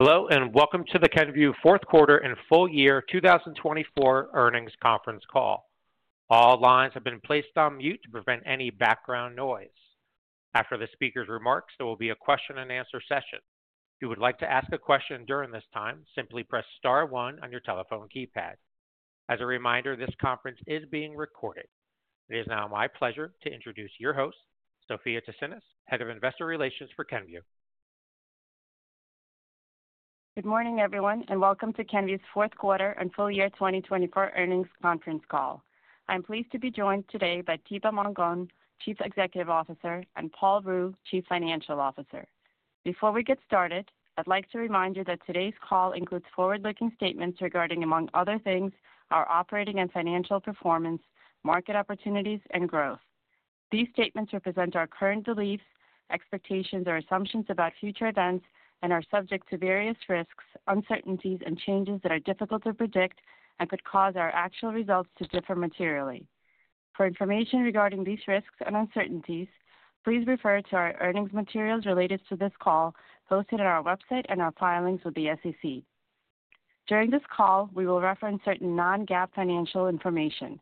Hello, and welcome to the Kenvue fourth quarter and full year 2024 earnings conference call. All lines have been placed on mute to prevent any background noise. After the speaker's remarks, there will be a question-and-answer session. If you would like to ask a question during this time, simply press star one on your telephone keypad. As a reminder, this conference is being recorded. It is now my pleasure to introduce your host, Sofya Tsinis, Head of Investor Relations for Kenvue. Good morning, everyone, and welcome to Kenvue's fourth quarter and full year 2024 earnings conference call. I'm pleased to be joined today by Thibaut Mongon, Chief Executive Officer, and Paul Ruh, Chief Financial Officer. Before we get started, I'd like to remind you that today's call includes forward-looking statements regarding, among other things, our operating and financial performance, market opportunities, and growth. These statements represent our current beliefs, expectations, or assumptions about future events and are subject to various risks, uncertainties, and changes that are difficult to predict and could cause our actual results to differ materially. For information regarding these risks and uncertainties, please refer to our earnings materials related to this call posted on our website and our filings with the SEC. During this call, we will reference certain Non-GAAP financial information.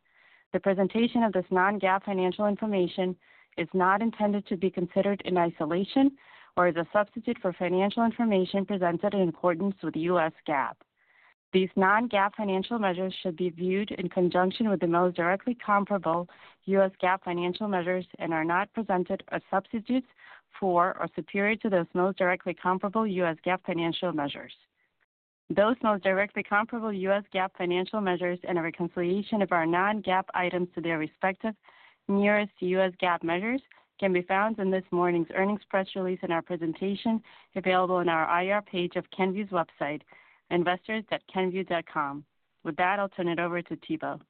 The presentation of this non-GAAP financial information is not intended to be considered in isolation or as a substitute for financial information presented in accordance with U.S. GAAP. These non-GAAP financial measures should be viewed in conjunction with the most directly comparable U.S. GAAP financial measures and are not presented as substitutes for or superior to those most directly comparable U.S. GAAP financial measures. Those most directly comparable U.S. GAAP financial measures and a reconciliation of our non-GAAP items to their respective nearest U.S. GAAP measures can be found in this morning's earnings press release and our presentation available on our IR page of Kenvue's website, investors.kenvue.com. With that, I'll turn it over to Thibaut.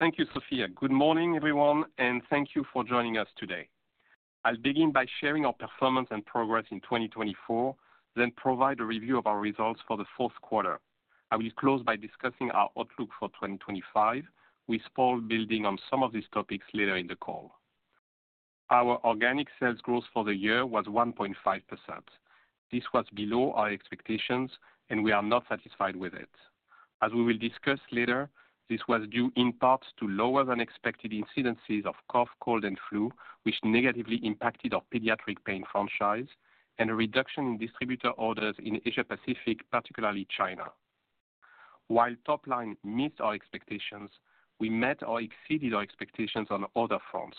Thank you, Sofya. Good morning, everyone, and thank you for joining us today. I'll begin by sharing our performance and progress in 2024, then provide a review of our results for the fourth quarter. I will close by discussing our outlook for 2025, with Paul building on some of these topics later in the call. Our Organic Sales Growth for the year was 1.5%. This was below our expectations, and we are not satisfied with it. As we will discuss later, this was due in part to lower-than-expected incidences of cough, cold, and flu, which negatively impacted our pediatric pain franchise, and a reduction in distributor orders in Asia-Pacific, particularly China. While topline meets our expectations, we met or exceeded our expectations on other fronts.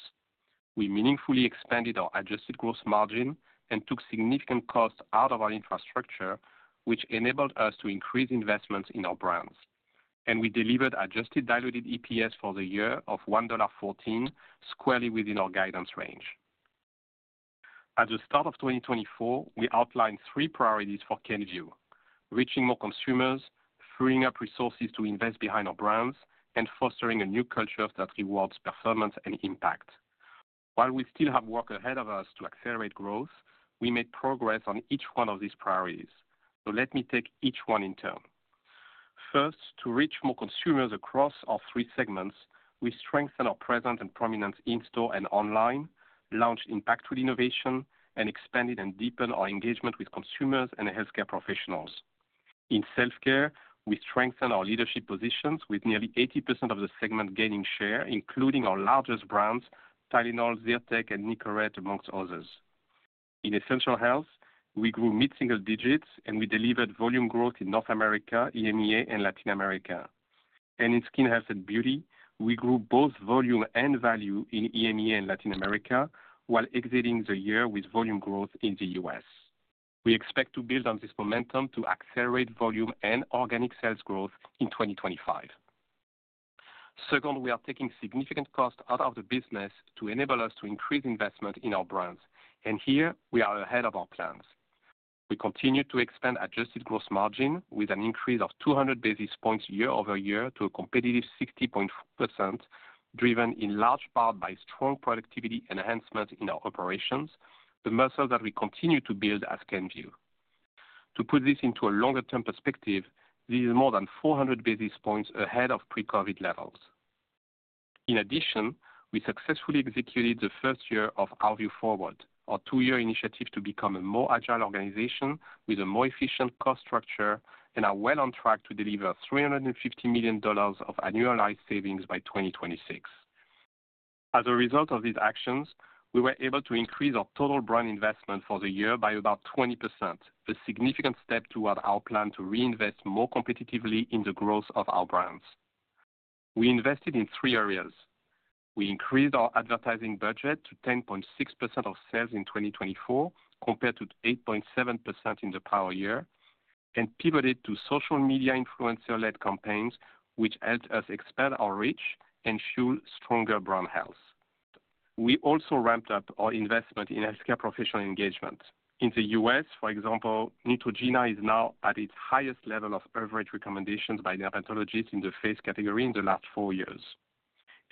We meaningfully expanded our Adjusted Gross Margin and took significant costs out of our infrastructure, which enabled us to increase investments in our brands. We delivered Adjusted Diluted EPS for the year of $1.14, squarely within our guidance range. At the start of 2024, we outlined three priorities for Kenvue: reaching more consumers, freeing up resources to invest behind our brands, and fostering a new culture that rewards performance and impact. While we still have work ahead of us to accelerate growth, we made progress on each one of these priorities, so let me take each one in turn. First, to reach more consumers across our three segments, we strengthened our presence and prominence in-store and online, launched impactful innovation, and expanded and deepened our engagement with consumers and healthcare professionals. In Self Care, we strengthened our leadership positions, with nearly 80% of the segment gaining share, including our largest brands, Tylenol, ZYRTEC, and Nicorette, amongst others. In Essential Health, we grew mid-single digits, and we delivered volume growth in North America, EMEA, and Latin America. And in Skin Health and Beauty, we grew both volume and value in EMEA and Latin America while exiting the year with volume growth in the U.S. We expect to build on this momentum to accelerate volume and organic sales growth in 2025. Second, we are taking significant costs out of the business to enable us to increase investment in our brands, and here we are ahead of our plans. We continue to expand adjusted gross margin with an increase of 200 basis points year-over-year to a competitive 60.4%, driven in large part by strong productivity enhancements in our operations, the muscle that we continue to build at Kenvue. To put this into a longer-term perspective, this is more than 400 basis points ahead of pre-COVID levels. In addition, we successfully executed the first year of Our Vue Forward, our two-year initiative to become a more agile organization with a more efficient cost structure, and are well on track to deliver $350 million of annualized savings by 2026. As a result of these actions, we were able to increase our total brand investment for the year by about 20%, a significant step toward our plan to reinvest more competitively in the growth of our brands. We invested in three areas. We increased our advertising budget to 10.6% of sales in 2024, compared to 8.7% in the past year, and pivoted to social media influencer-led campaigns, which helped us expand our reach and fuel stronger brand health. We also ramped up our investment in healthcare professional engagement. In the U.S., for example, Neutrogena is now at its highest level of average recommendations by dermatologists in the face category in the last four years.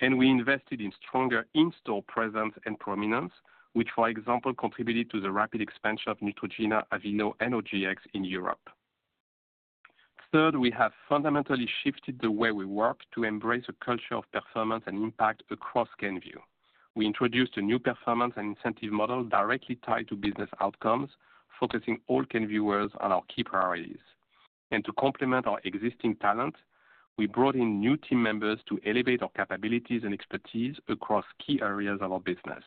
And we invested in stronger in-store presence and prominence, which, for example, contributed to the rapid expansion of Neutrogena, Aveeno, and OGX in Europe. Third, we have fundamentally shifted the way we work to embrace a culture of performance and impact across Kenvue. We introduced a new performance and incentive model directly tied to business outcomes, focusing all consumers on our key priorities. And to complement our existing talent, we brought in new team members to elevate our capabilities and expertise across key areas of our business.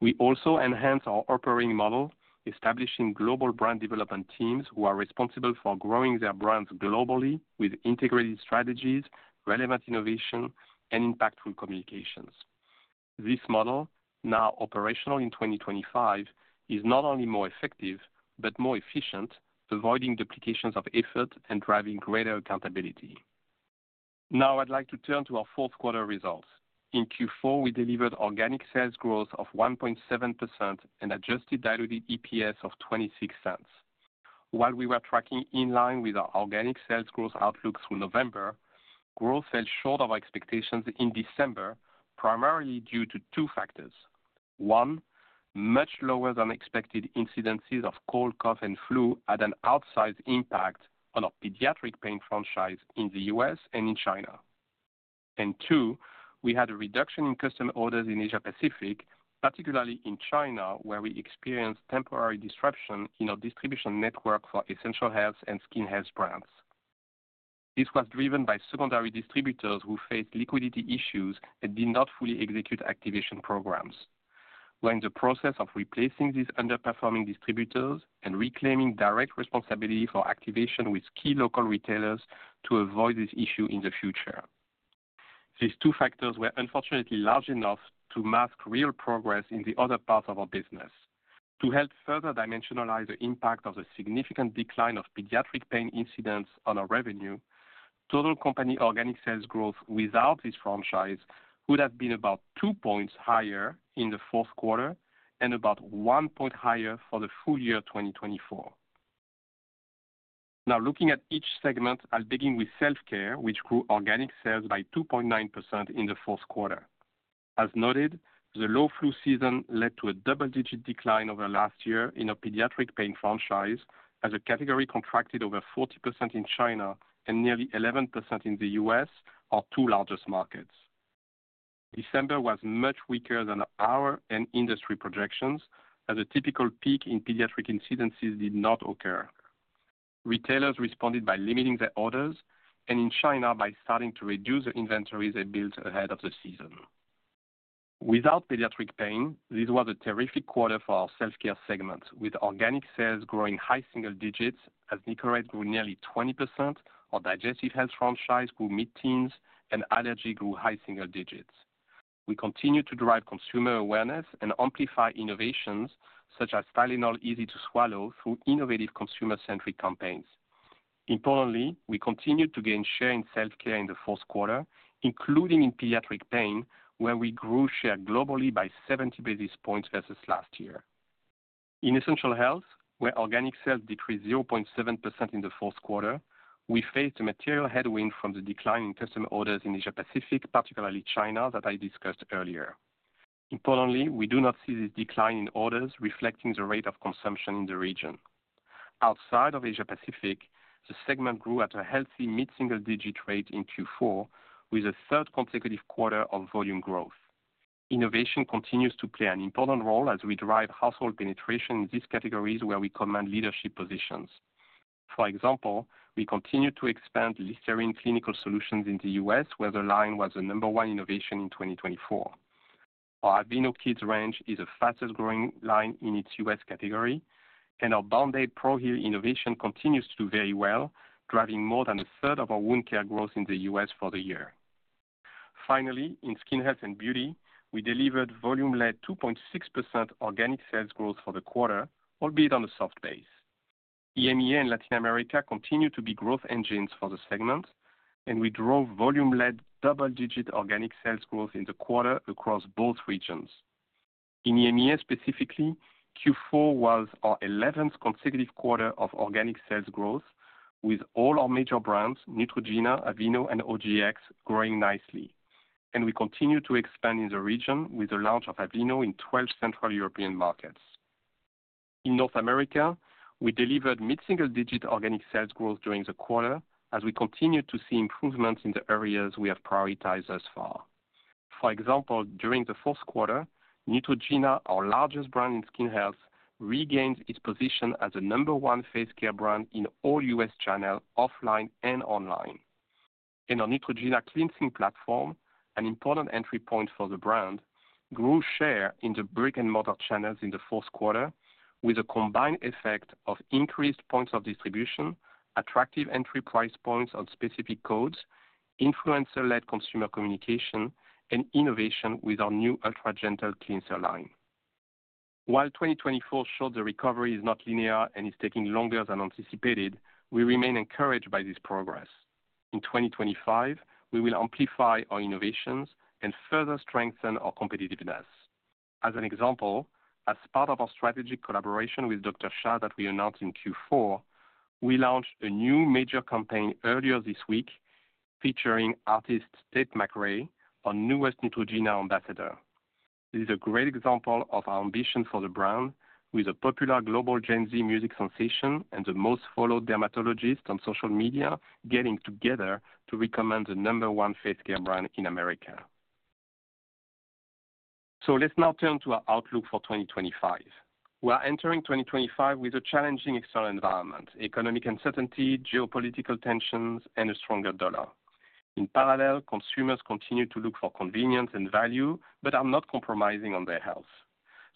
We also enhanced our operating model, establishing global brand development teams who are responsible for growing their brands globally with integrated strategies, relevant innovation, and impactful communications. This model, now operational in 2025, is not only more effective but more efficient, avoiding duplications of effort and driving greater accountability. Now, I'd like to turn to our fourth-quarter results. In Q4, we delivered organic sales growth of 1.7% and adjusted diluted EPS of $0.26. While we were tracking in line with our organic sales growth outlook through November, growth fell short of our expectations in December, primarily due to two factors. One, much lower-than-expected incidences of cold, cough, and flu had an outsized impact on our pediatric pain franchise in the U.S. and in China. And two, we had a reduction in customer orders in Asia-Pacific, particularly in China, where we experienced temporary disruption in our distribution network for Essential Health and Skin Health brands. This was driven by secondary distributors who faced liquidity issues and did not fully execute activation programs. We're in the process of replacing these underperforming distributors and reclaiming direct responsibility for activation with key local retailers to avoid this issue in the future. These two factors were unfortunately large enough to mask real progress in the other parts of our business. To help further dimensionalize the impact of the significant decline of pediatric pain incidents on our revenue, total company organic sales growth without this franchise would have been about two points higher in the fourth quarter and about one point higher for the full year 2024. Now, looking at each segment, I'll begin with Self Care, which grew organic sales by 2.9% in the fourth quarter. As noted, the low flu season led to a double-digit decline over the last year in our pediatric pain franchise, as a category contracted over 40% in China and nearly 11% in the U.S., our two largest markets. December was much weaker than our and the industry's projections, as a typical peak in pediatric incidences did not occur. Retailers responded by limiting their orders, and in China, by starting to reduce the inventories they built ahead of the season. Without pediatric pain, this was a terrific quarter for our Self Care segment, with organic sales growing high single digits, as Nicorette grew nearly 20%, our digestive health franchise grew mid-teens, and allergy grew high single digits. We continued to drive consumer awareness and amplify innovations such as Tylenol Easy to Swallow through innovative consumer-centric campaigns. Importantly, we continued to gain share in Self Care in the fourth quarter, including in pediatric pain, where we grew share globally by 70 basis points versus last year. In Essential Health, where organic sales decreased 0.7% in the fourth quarter, we faced a material headwind from the decline in customer orders in Asia-Pacific, particularly China, that I discussed earlier. Importantly, we do not see this decline in orders reflecting the rate of consumption in the region. Outside of Asia-Pacific, the segment grew at a healthy mid-single-digit rate in Q4, with a third consecutive quarter of volume growth. Innovation continues to play an important role as we drive household penetration in these categories where we command leadership positions. For example, we continue to expand Listerine Clinical Solutions in the U.S., where the line was the number one innovation in 2024. Our Aveeno Kids range is the fastest-growing line in its U.S. category, and our BAND-AID Pro Heal innovation continues to do very well, driving more than a third of our wound care growth in the U.S. for the year. Finally, in Skin Health and Beauty, we delivered volume-led 2.6% organic sales growth for the quarter, albeit on a soft base. EMEA and Latin America continue to be growth engines for the segment, and we drove volume-led double-digit organic sales growth in the quarter across both regions. In EMEA specifically, Q4 was our 11th consecutive quarter of organic sales growth, with all our major brands, Neutrogena, Aveeno, and OGX, growing nicely. And we continue to expand in the region with the launch of Aveeno in 12 central European markets. In North America, we delivered mid-single-digit organic sales growth during the quarter, as we continue to see improvements in the areas we have prioritized thus far. For example, during the fourth quarter, Neutrogena, our largest brand in Skin Health, regained its position as the number one face care brand in all U.S. channels, offline and online. Our Neutrogena cleansing platform, an important entry point for the brand, grew share in the brick-and-mortar channels in the fourth quarter, with a combined effect of increased points of distribution, attractive entry price points on specific codes, influencer-led consumer communication, and innovation with our new Ultra Gentle cleanser line. While 2024 showed the recovery is not linear and is taking longer than anticipated, we remain encouraged by this progress. In 2025, we will amplify our innovations and further strengthen our competitiveness. As an example, as part of our strategic collaboration with Dr. Shah that we announced in Q4, we launched a new major campaign earlier this week featuring artist Tate McRae, our newest Neutrogena ambassador. This is a great example of our ambition for the brand, with a popular global Gen Z music sensation and the most followed dermatologist on social media getting together to recommend the number one face care brand in America. So let's now turn to our outlook for 2025. We are entering 2025 with a challenging external environment: economic uncertainty, geopolitical tensions, and a stronger dollar. In parallel, consumers continue to look for convenience and value but are not compromising on their health.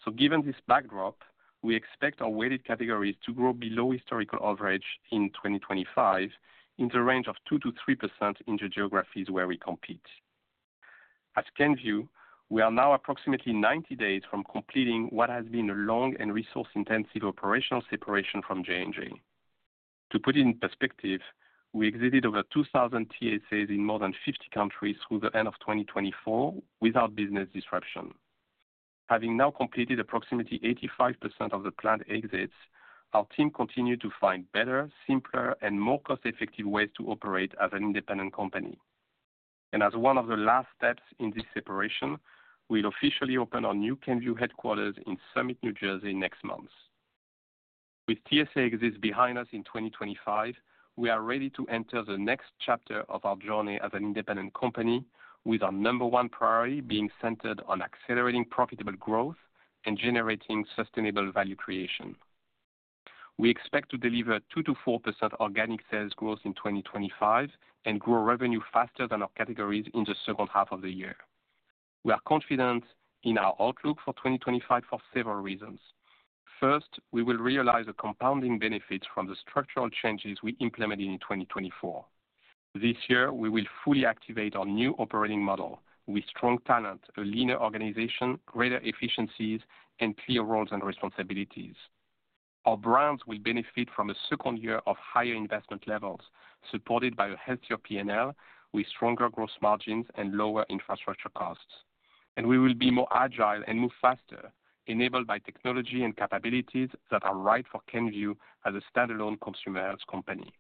So given this backdrop, we expect our weighted categories to grow below historical average in 2025 in the range of 2%-3% in the geographies where we compete. At Kenvue, we are now approximately 90 days from completing what has been a long and resource-intensive operational separation from J&J. To put it in perspective, we exited over 2,000 TSAs in more than 50 countries through the end of 2024 without business disruption. Having now completed approximately 85% of the planned exits, our team continues to find better, simpler, and more cost-effective ways to operate as an independent company, and as one of the last steps in this separation, we'll officially open our new Kenvue headquarters in Summit, New Jersey, next month. With TSA exits behind us in 2025, we are ready to enter the next chapter of our journey as an independent company, with our number one priority being centered on accelerating profitable growth and generating sustainable value creation. We expect to deliver 2%-4% organic sales growth in 2025 and grow revenue faster than our categories in the second half of the year. We are confident in our outlook for 2025 for several reasons. First, we will realize the compounding benefits from the structural changes we implemented in 2024. This year, we will fully activate our new operating model with strong talent, a leaner organization, greater efficiencies, and clear roles and responsibilities. Our brands will benefit from a second year of higher investment levels, supported by a healthier P&L with stronger gross margins and lower infrastructure costs. And we will be more agile and move faster, enabled by technology and capabilities that are right for Kenvue as a standalone consumer health company.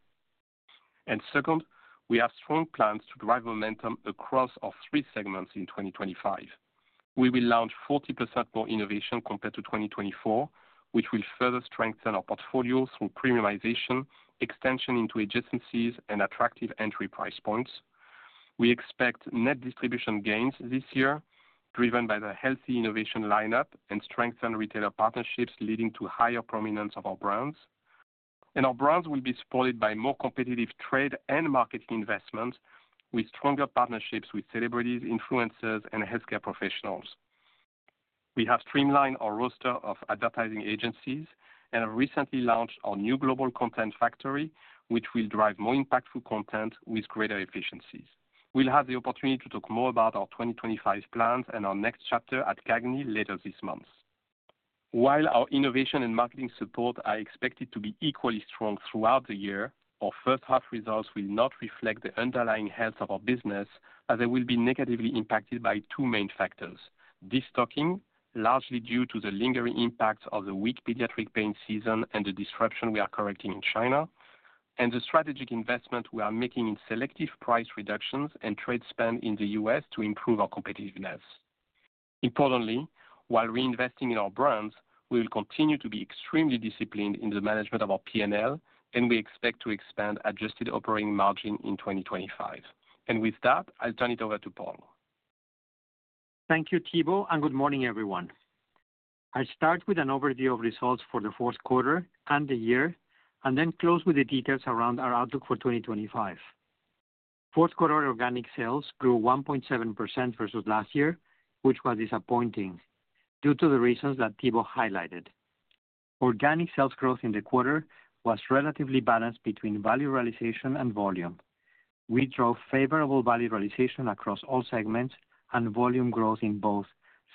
And second, we have strong plans to drive momentum across our three segments in 2025. We will launch 40% more innovation compared to 2024, which will further strengthen our portfolio through premiumization, extension into adjacencies, and attractive entry price points. We expect net distribution gains this year, driven by the healthy innovation lineup and strengthened retailer partnerships leading to higher prominence of our brands, and our brands will be supported by more competitive trade and marketing investments, with stronger partnerships with celebrities, influencers, and healthcare professionals. We have streamlined our roster of advertising agencies and have recently launched our new global content factory, which will drive more impactful content with greater efficiencies. We'll have the opportunity to talk more about our 2025 plans and our next chapter at CAGNY later this month. While our innovation and marketing support are expected to be equally strong throughout the year, our first-half results will not reflect the underlying health of our business, as they will be negatively impacted by two main factors: destocking, largely due to the lingering impact of the weak pediatric pain season and the disruption we are correcting in China, and the strategic investment we are making in selective price reductions and trade spend in the U.S. to improve our competitiveness. Importantly, while reinvesting in our brands, we will continue to be extremely disciplined in the management of our P&L, and we expect to expand adjusted operating margin in 2025. And with that, I'll turn it over to Paul. Thank you, Thibaut, and good morning, everyone. I'll start with an overview of results for the fourth quarter and the year, and then close with the details around our outlook for 2025. Fourth-quarter organic sales grew 1.7% versus last year, which was disappointing due to the reasons that Thibaut highlighted. Organic sales growth in the quarter was relatively balanced between value realization and volume. We drove favorable value realization across all segments and volume growth in both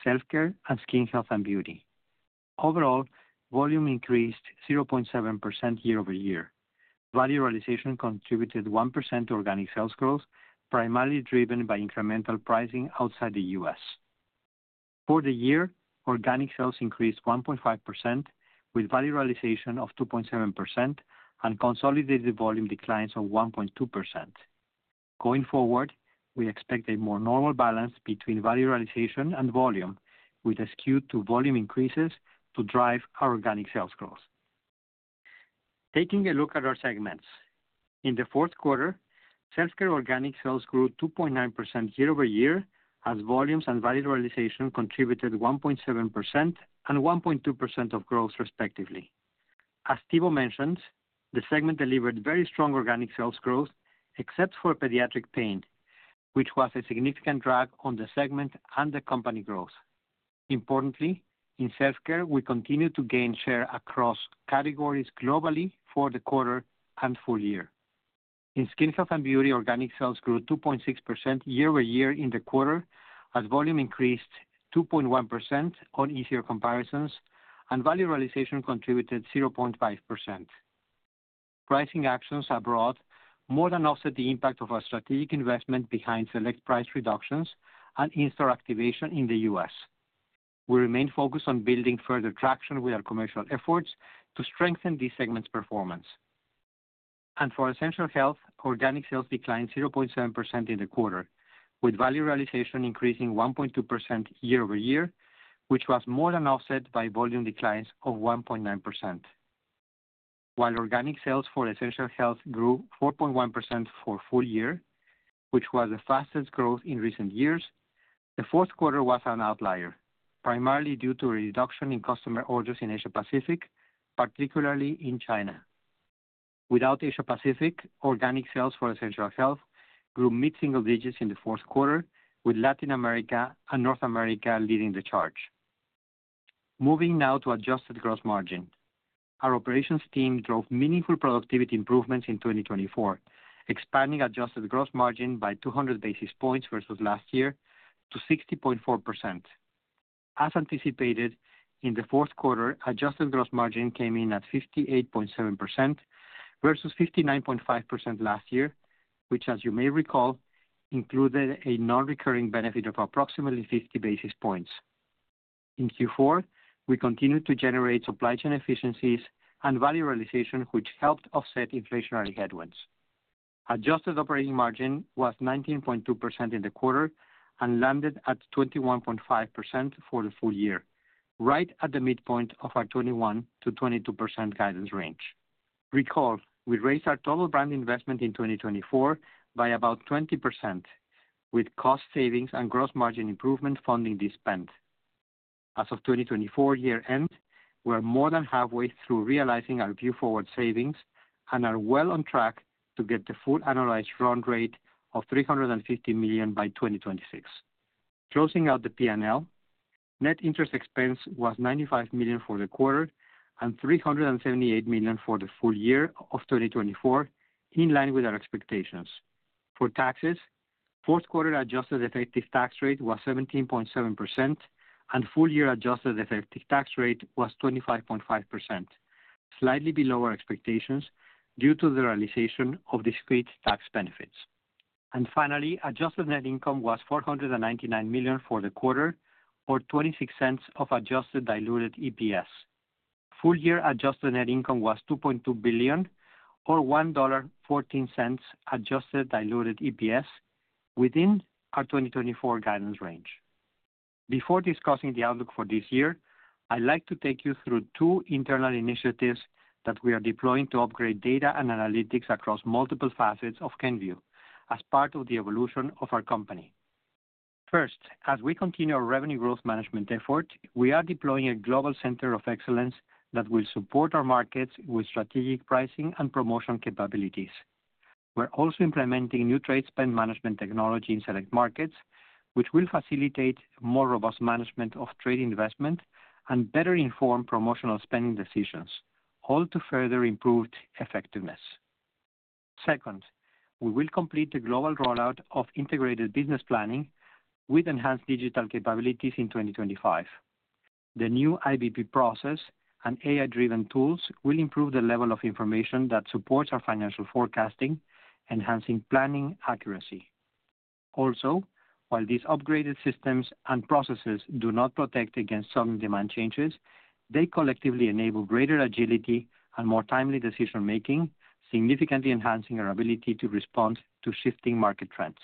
Self Care and Skin Health and Beauty. Overall, volume increased 0.7% year-over-year. Value realization contributed 1% to organic sales growth, primarily driven by incremental pricing outside the U.S. For the year, organic sales increased 1.5%, with value realization of 2.7% and consolidated volume declines of 1.2%. Going forward, we expect a more normal balance between value realization and volume, with a skew to volume increases to drive our organic sales growth. Taking a look at our segments, in the fourth quarter, Self Care organic sales grew 2.9% year-over-year, as volumes and value realization contributed 1.7% and 1.2% of growth, respectively. As Thibaut mentioned, the segment delivered very strong organic sales growth, except for pediatric pain, which was a significant drag on the segment and the company growth. Importantly, in Self Care, we continue to gain share across categories globally for the quarter and full year. In Skin Health and Beauty, organic sales grew 2.6% year-over-year in the quarter, as volume increased 2.1% on easier comparisons, and value realization contributed 0.5%. Pricing actions abroad more than offset the impact of our strategic investment behind select price reductions and in-store activation in the U.S. We remain focused on building further traction with our commercial efforts to strengthen these segments' performance, and for essential health, organic sales declined 0.7% in the quarter, with value realization increasing 1.2% year-over-year, which was more than offset by volume declines of 1.9%. While organic sales for Essential Health grew 4.1% for full year, which was the fastest growth in recent years, the fourth quarter was an outlier, primarily due to a reduction in customer orders in Asia-Pacific, particularly in China. Without Asia-Pacific, organic sales for Essential Health grew mid-single digits in the fourth quarter, with Latin America and North America leading the charge. Moving now to Adjusted Gross Margin. Our operations team drove meaningful productivity improvements in 2024, expanding Adjusted Gross Margin by 200 basis points versus last year to 60.4%. As anticipated, in the fourth quarter, Adjusted Gross Margin came in at 58.7% versus 59.5% last year, which, as you may recall, included a non-recurring benefit of approximately 50 basis points. In Q4, we continued to generate supply chain efficiencies and value realization, which helped offset inflationary headwinds. Adjusted operating margin was 19.2% in the quarter and landed at 21.5% for the full year, right at the midpoint of our 21%-22% guidance range. Recall, we raised our total brand investment in 2024 by about 20%, with cost savings and gross margin improvement funding the spend. As of 2024 year-end, we are more than halfway through realizing our Vue Forward savings and are well on track to get the full annualized run rate of $350 million by 2026. Closing out the P&L, net interest expense was $95 million for the quarter and $378 million for the full year of 2024, in line with our expectations. For taxes, fourth quarter adjusted effective tax rate was 17.7%, and full-year adjusted effective tax rate was 25.5%, slightly below our expectations due to the realization of discrete tax benefits. Finally, adjusted net income was $499 million for the quarter, or $0.26 of adjusted diluted EPS. Full-year adjusted net income was $2.2 billion, or $1.14 adjusted diluted EPS, within our 2024 guidance range. Before discussing the outlook for this year, I'd like to take you through two internal initiatives that we are deploying to upgrade data and analytics across multiple facets of Kenvue as part of the evolution of our company. First, as we continue our revenue growth management effort, we are deploying a global center of excellence that will support our markets with strategic pricing and promotion capabilities. We're also implementing new trade spend management technology in select markets, which will facilitate more robust management of trade investment and better-informed promotional spending decisions, all to further improve effectiveness. Second, we will complete the global rollout of integrated business planning with enhanced digital capabilities in 2025. The new IBP process and AI-driven tools will improve the level of information that supports our financial forecasting, enhancing planning accuracy. Also, while these upgraded systems and processes do not protect against sudden demand changes, they collectively enable greater agility and more timely decision-making, significantly enhancing our ability to respond to shifting market trends.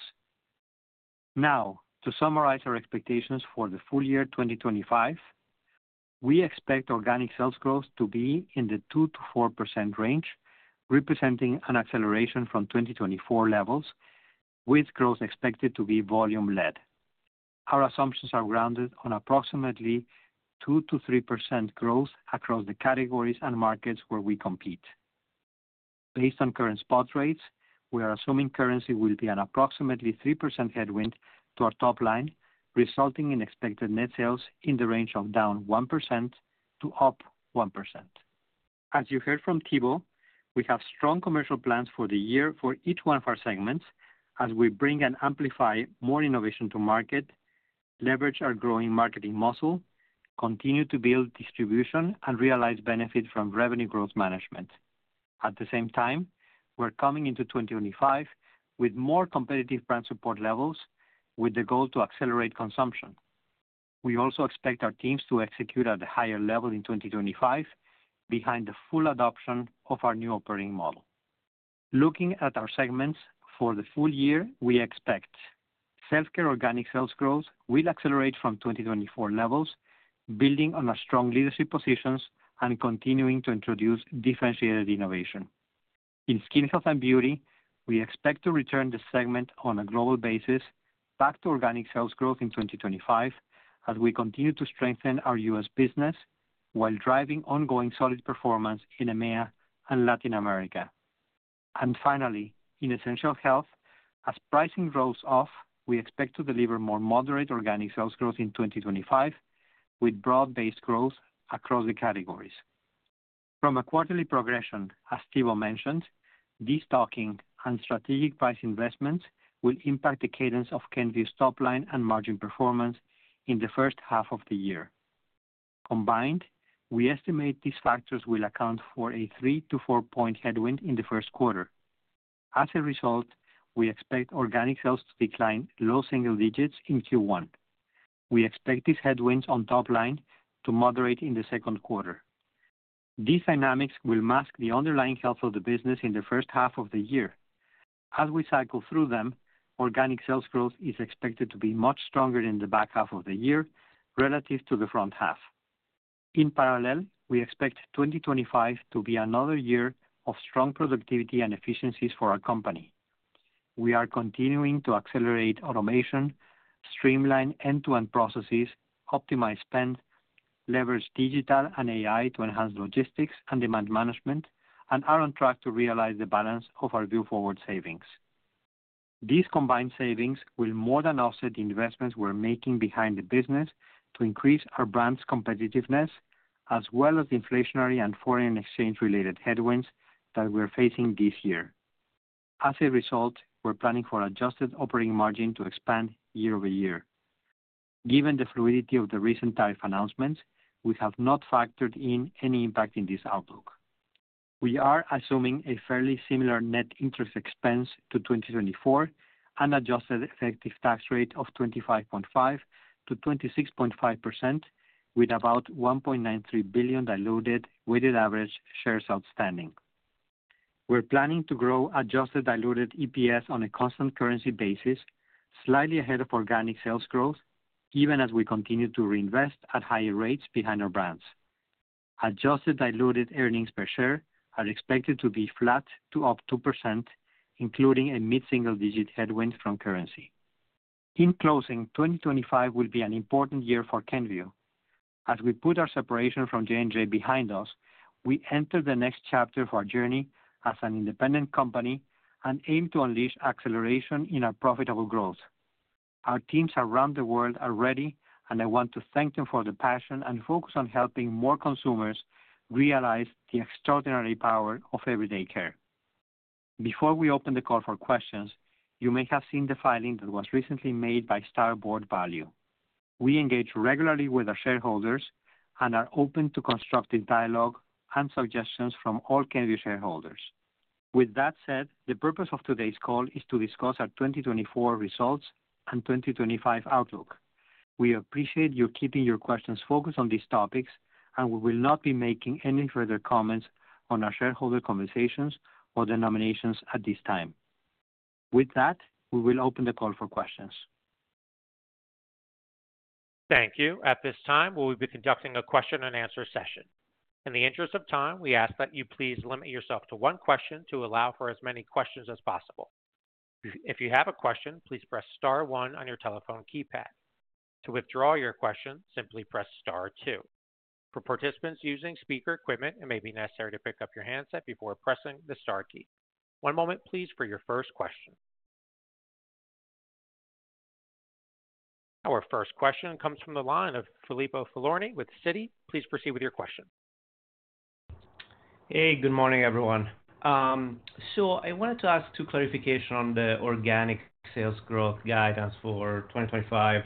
Now, to summarize our expectations for the full year 2025, we expect organic sales growth to be in the 2%-4% range, representing an acceleration from 2024 levels, with growth expected to be volume-led. Our assumptions are grounded on approximately 2%-3% growth across the categories and markets where we compete. Based on current spot rates, we are assuming currency will be an approximately 3% headwind to our topline, resulting in expected net sales in the range of down 1% to up 1%. As you heard from Thibaut, we have strong commercial plans for the year for each one of our segments, as we bring and amplify more innovation to market, leverage our growing marketing muscle, continue to build distribution, and realize benefits from revenue growth management. At the same time, we're coming into 2025 with more competitive brand support levels, with the goal to accelerate consumption. We also expect our teams to execute at a higher level in 2025, behind the full adoption of our new operating model. Looking at our segments for the full year, we expect Self Care organic sales growth will accelerate from 2024 levels, building on our strong leadership positions and continuing to introduce differentiated innovation. In Skin Health and Beauty, we expect to return the segment on a global basis back to organic sales growth in 2025, as we continue to strengthen our U.S. business while driving ongoing solid performance in EMEA and Latin America. And finally, in Essential Health, as pricing rolls off, we expect to deliver more moderate organic sales growth in 2025, with broad-based growth across the categories. From a quarterly progression, as Thibaut mentioned, destocking and strategic price investments will impact the cadence of Kenvue's topline and margin performance in the first half of the year. Combined, we estimate these factors will account for a 3 point-4 point headwind in the first quarter. As a result, we expect organic sales to decline low single digits in Q1. We expect these headwinds on topline to moderate in the second quarter. These dynamics will mask the underlying health of the business in the first half of the year. As we cycle through them, Organic Sales Growth is expected to be much stronger in the back half of the year relative to the front half. In parallel, we expect 2025 to be another year of strong productivity and efficiencies for our company. We are continuing to accelerate automation, streamline end-to-end processes, optimize spend, leverage digital and AI to enhance logistics and demand management, and are on track to realize the balance of our Vue Forward savings. These combined savings will more than offset the investments we're making behind the business to increase our brand's competitiveness, as well as the inflationary and foreign exchange-related headwinds that we're facing this year. As a result, we're planning for Adjusted Operating Margin to expand year-over-year. Given the fluidity of the recent tariff announcements, we have not factored in any impact in this outlook. We are assuming a fairly similar net interest expense to 2024 and adjusted effective tax rate of 25.5% to 26.5%, with about $1.93 billion diluted weighted average shares outstanding. We're planning to grow adjusted diluted EPS on a constant currency basis, slightly ahead of organic sales growth, even as we continue to reinvest at higher rates behind our brands. Adjusted diluted earnings per share are expected to be flat to up 2%, including a mid-single digit headwind from currency. In closing, 2025 will be an important year for Kenvue. As we put our separation from J&J behind us, we enter the next chapter of our journey as an independent company and aim to unleash acceleration in our profitable growth. Our teams around the world are ready, and I want to thank them for the passion and focus on helping more consumers realize the extraordinary power of everyday care. Before we open the call for questions, you may have seen the filing that was recently made by Starboard Value. We engage regularly with our shareholders and are open to constructive dialogue and suggestions from all Kenvue shareholders. With that said, the purpose of today's call is to discuss our 2024 results and 2025 outlook. We appreciate you keeping your questions focused on these topics, and we will not be making any further comments on our shareholder conversations or engagements at this time. With that, we will open the call for questions. Thank you. At this time, we will be conducting a question-and-answer session. In the interest of time, we ask that you please limit yourself to one question to allow for as many questions as possible. If you have a question, please press star one on your telephone keypad. To withdraw your question, simply press star two. For participants using speaker equipment, it may be necessary to pick up your handset before pressing the star key. One moment, please, for your first question. Our first question comes from the line of Filippo Falorni with Citi. Please proceed with your question. Hey, good morning, everyone. So I wanted to ask two clarifications on the organic sales growth guidance for 2025.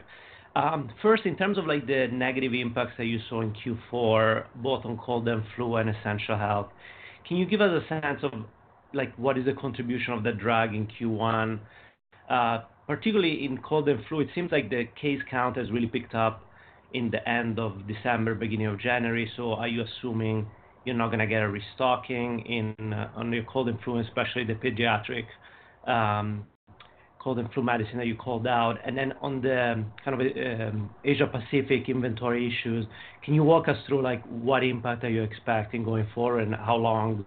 First, in terms of like the negative impacts that you saw in Q4, both on cold and flu and Essential Health, can you give us a sense of like what is the contribution of the drug in Q1? Particularly in cold and flu, it seems like the case count has really picked up in the end of December, beginning of January. So are you assuming you're not going to get a restocking on your cold and flu, and especially the pediatric cold and flu medicine that you called out? And then on the kind of Asia-Pacific inventory issues, can you walk us through like what impact are you expecting going forward and how long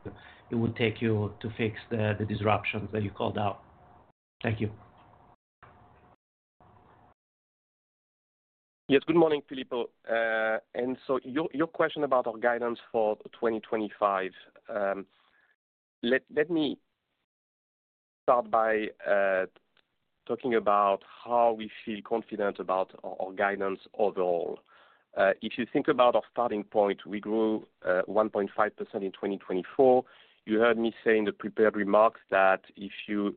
it would take you to fix the disruptions that you called out? Thank you. Yes, good morning, Filippo. And so your question about our guidance for 2025, let me start by talking about how we feel confident about our guidance overall. If you think about our starting point, we grew 1.5% in 2024. You heard me say in the prepared remarks that if you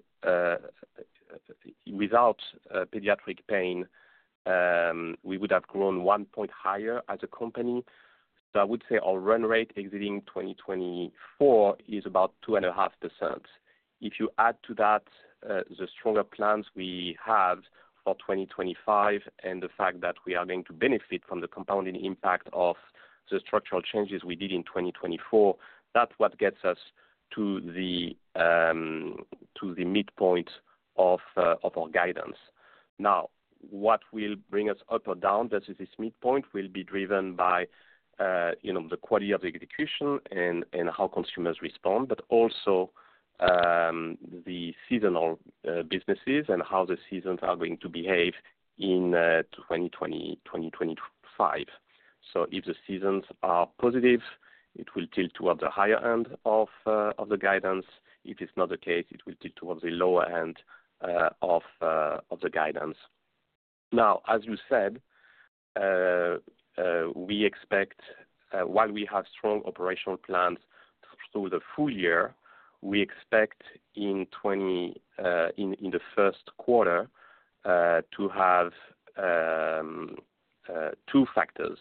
without pediatric pain, we would have grown one point higher as a company. So I would say our run rate exiting 2024 is about 2.5%. If you add to that, the stronger plans we have for 2025 and the fact that we are going to benefit from the compounding impact of the structural changes we did in 2024, that's what gets us to the midpoint of our guidance. Now, what will bring us up or down versus this midpoint will be driven by, you know, the quality of the execution and how consumers respond, but also, the seasonal businesses and how the seasons are going to behave in 2025. So if the seasons are positive, it will tilt towards the higher end of the guidance. If it's not the case, it will tilt towards the lower end of the guidance. Now, as you said, we expect, while we have strong operational plans through the full year, we expect in 2024, in the first quarter, to have two factors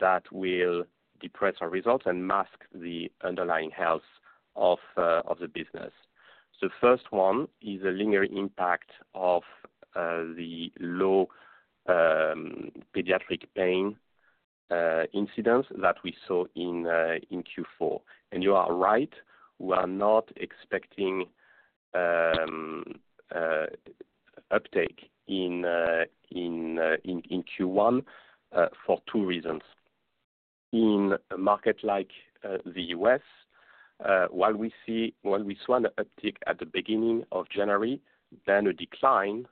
that will depress our results and mask the underlying health of the business. The first one is a linear impact of the low pediatric pain incidents that we saw in Q4, and you are right, we are not expecting uptake in Q1 for two reasons. In a market like the U.S., while we see, while we saw an uptick at the beginning of January, then a decline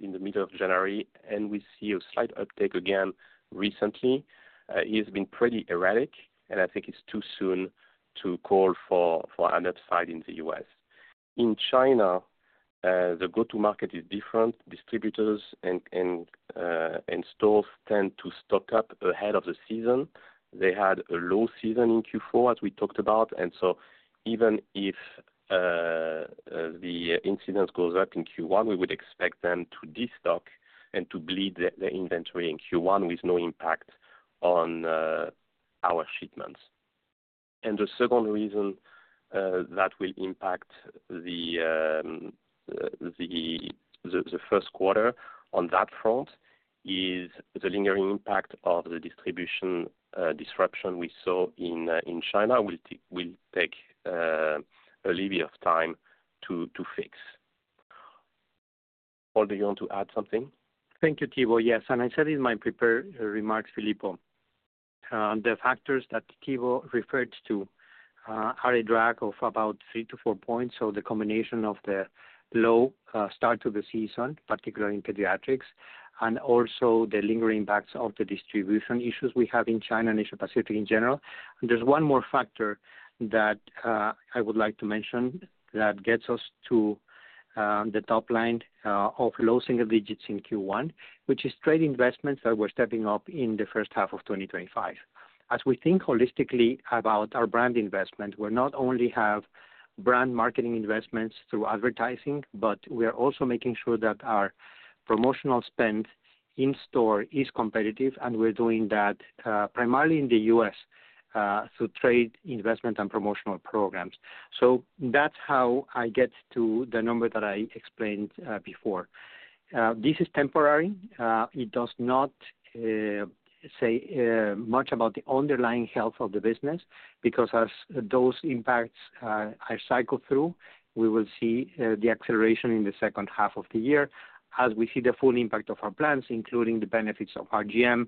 in the middle of January, and we see a slight uptake again recently, it has been pretty erratic, and I think it's too soon to call for an upside in the U.S. In China, the go-to-market is different. Distributors and stores tend to stock up ahead of the season. They had a low season in Q4, as we talked about. And so even if the incidence goes up in Q1, we would expect them to destock and to bleed their inventory in Q1 with no impact on our shipments. And the second reason that will impact the first quarter on that front is the linear impact of the distribution disruption we saw in China will take a little bit of time to fix. Paul, do you want to add something? Thank you, Thibaut. Yes, and I said in my prepared remarks, Filippo, the factors that Thibaut referred to are a drag of about 3 points-4 points. So the combination of the low start to the season, particularly in pediatrics, and also the lingering impacts of the distribution issues we have in China and Asia-Pacific in general. And there's one more factor that I would like to mention that gets us to the topline of low single digits in Q1, which is trade investments that we're stepping up in the first half of 2025. As we think holistically about our brand investment, we not only have brand marketing investments through advertising, but we are also making sure that our promotional spend in store is competitive, and we're doing that primarily in the U.S. through trade investment and promotional programs. So that's how I get to the number that I explained before. This is temporary. It does not say much about the underlying health of the business because as those impacts are cycled through, we will see the acceleration in the second half of the year as we see the full impact of our plans, including the benefits of RGM,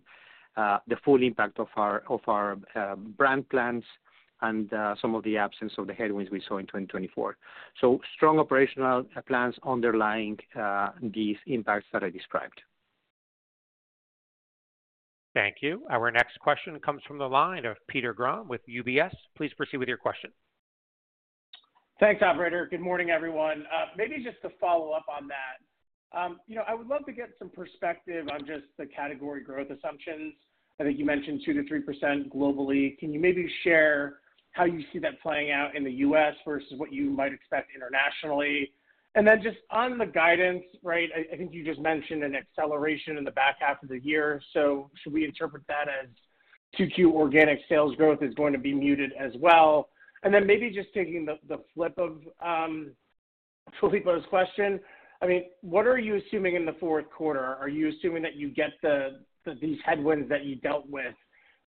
the full impact of our brand plans and some of the absence of the headwinds we saw in 2024. Strong operational plans underlying these impacts that I described. Thank you. Our next question comes from the line of Peter Grom with UBS. Please proceed with your question. Thanks, operator. Good morning, everyone. Maybe just to follow up on that, you know, I would love to get some perspective on just the category growth assumptions. I think you mentioned 2%-3% globally. Can you maybe share how you see that playing out in the U.S. versus what you might expect internationally? And then just on the guidance, right? I think you just mentioned an acceleration in the back half of the year. So should we interpret that as Q2 organic sales growth is going to be muted as well? And then maybe just taking the flip of Filippo's question, I mean, what are you assuming in the fourth quarter? Are you assuming that you get these headwinds that you dealt with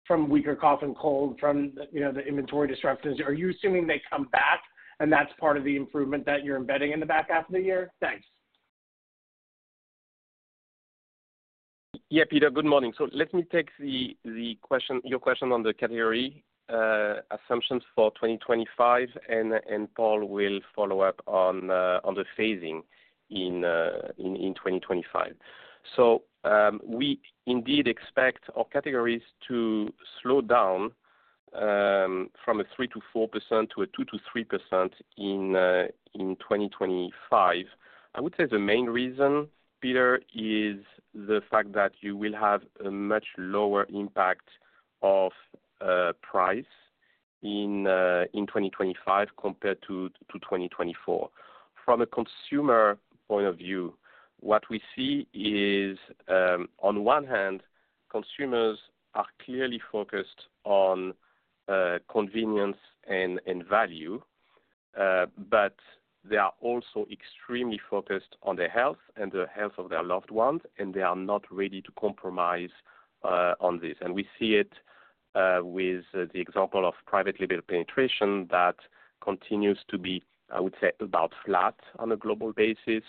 from weaker cough and cold, from, you know, the inventory disruptions? Are you assuming they come back and that's part of the improvement that you're embedding in the back half of the year? Thanks. Yep, Peter, good morning. So let me take the question, your question on the category assumptions for 2025, and Paul will follow up on the phasing in 2025. We indeed expect our categories to slow down from a 3%-4% to a 2%-3% in 2025. I would say the main reason, Peter, is the fact that you will have a much lower impact of price in 2025 compared to 2024. From a consumer point of view, what we see is on one hand, consumers are clearly focused on convenience and value, but they are also extremely focused on their health and the health of their loved ones, and they are not ready to compromise on this. We see it with the example of private label penetration that continues to be, I would say, about flat on a global basis.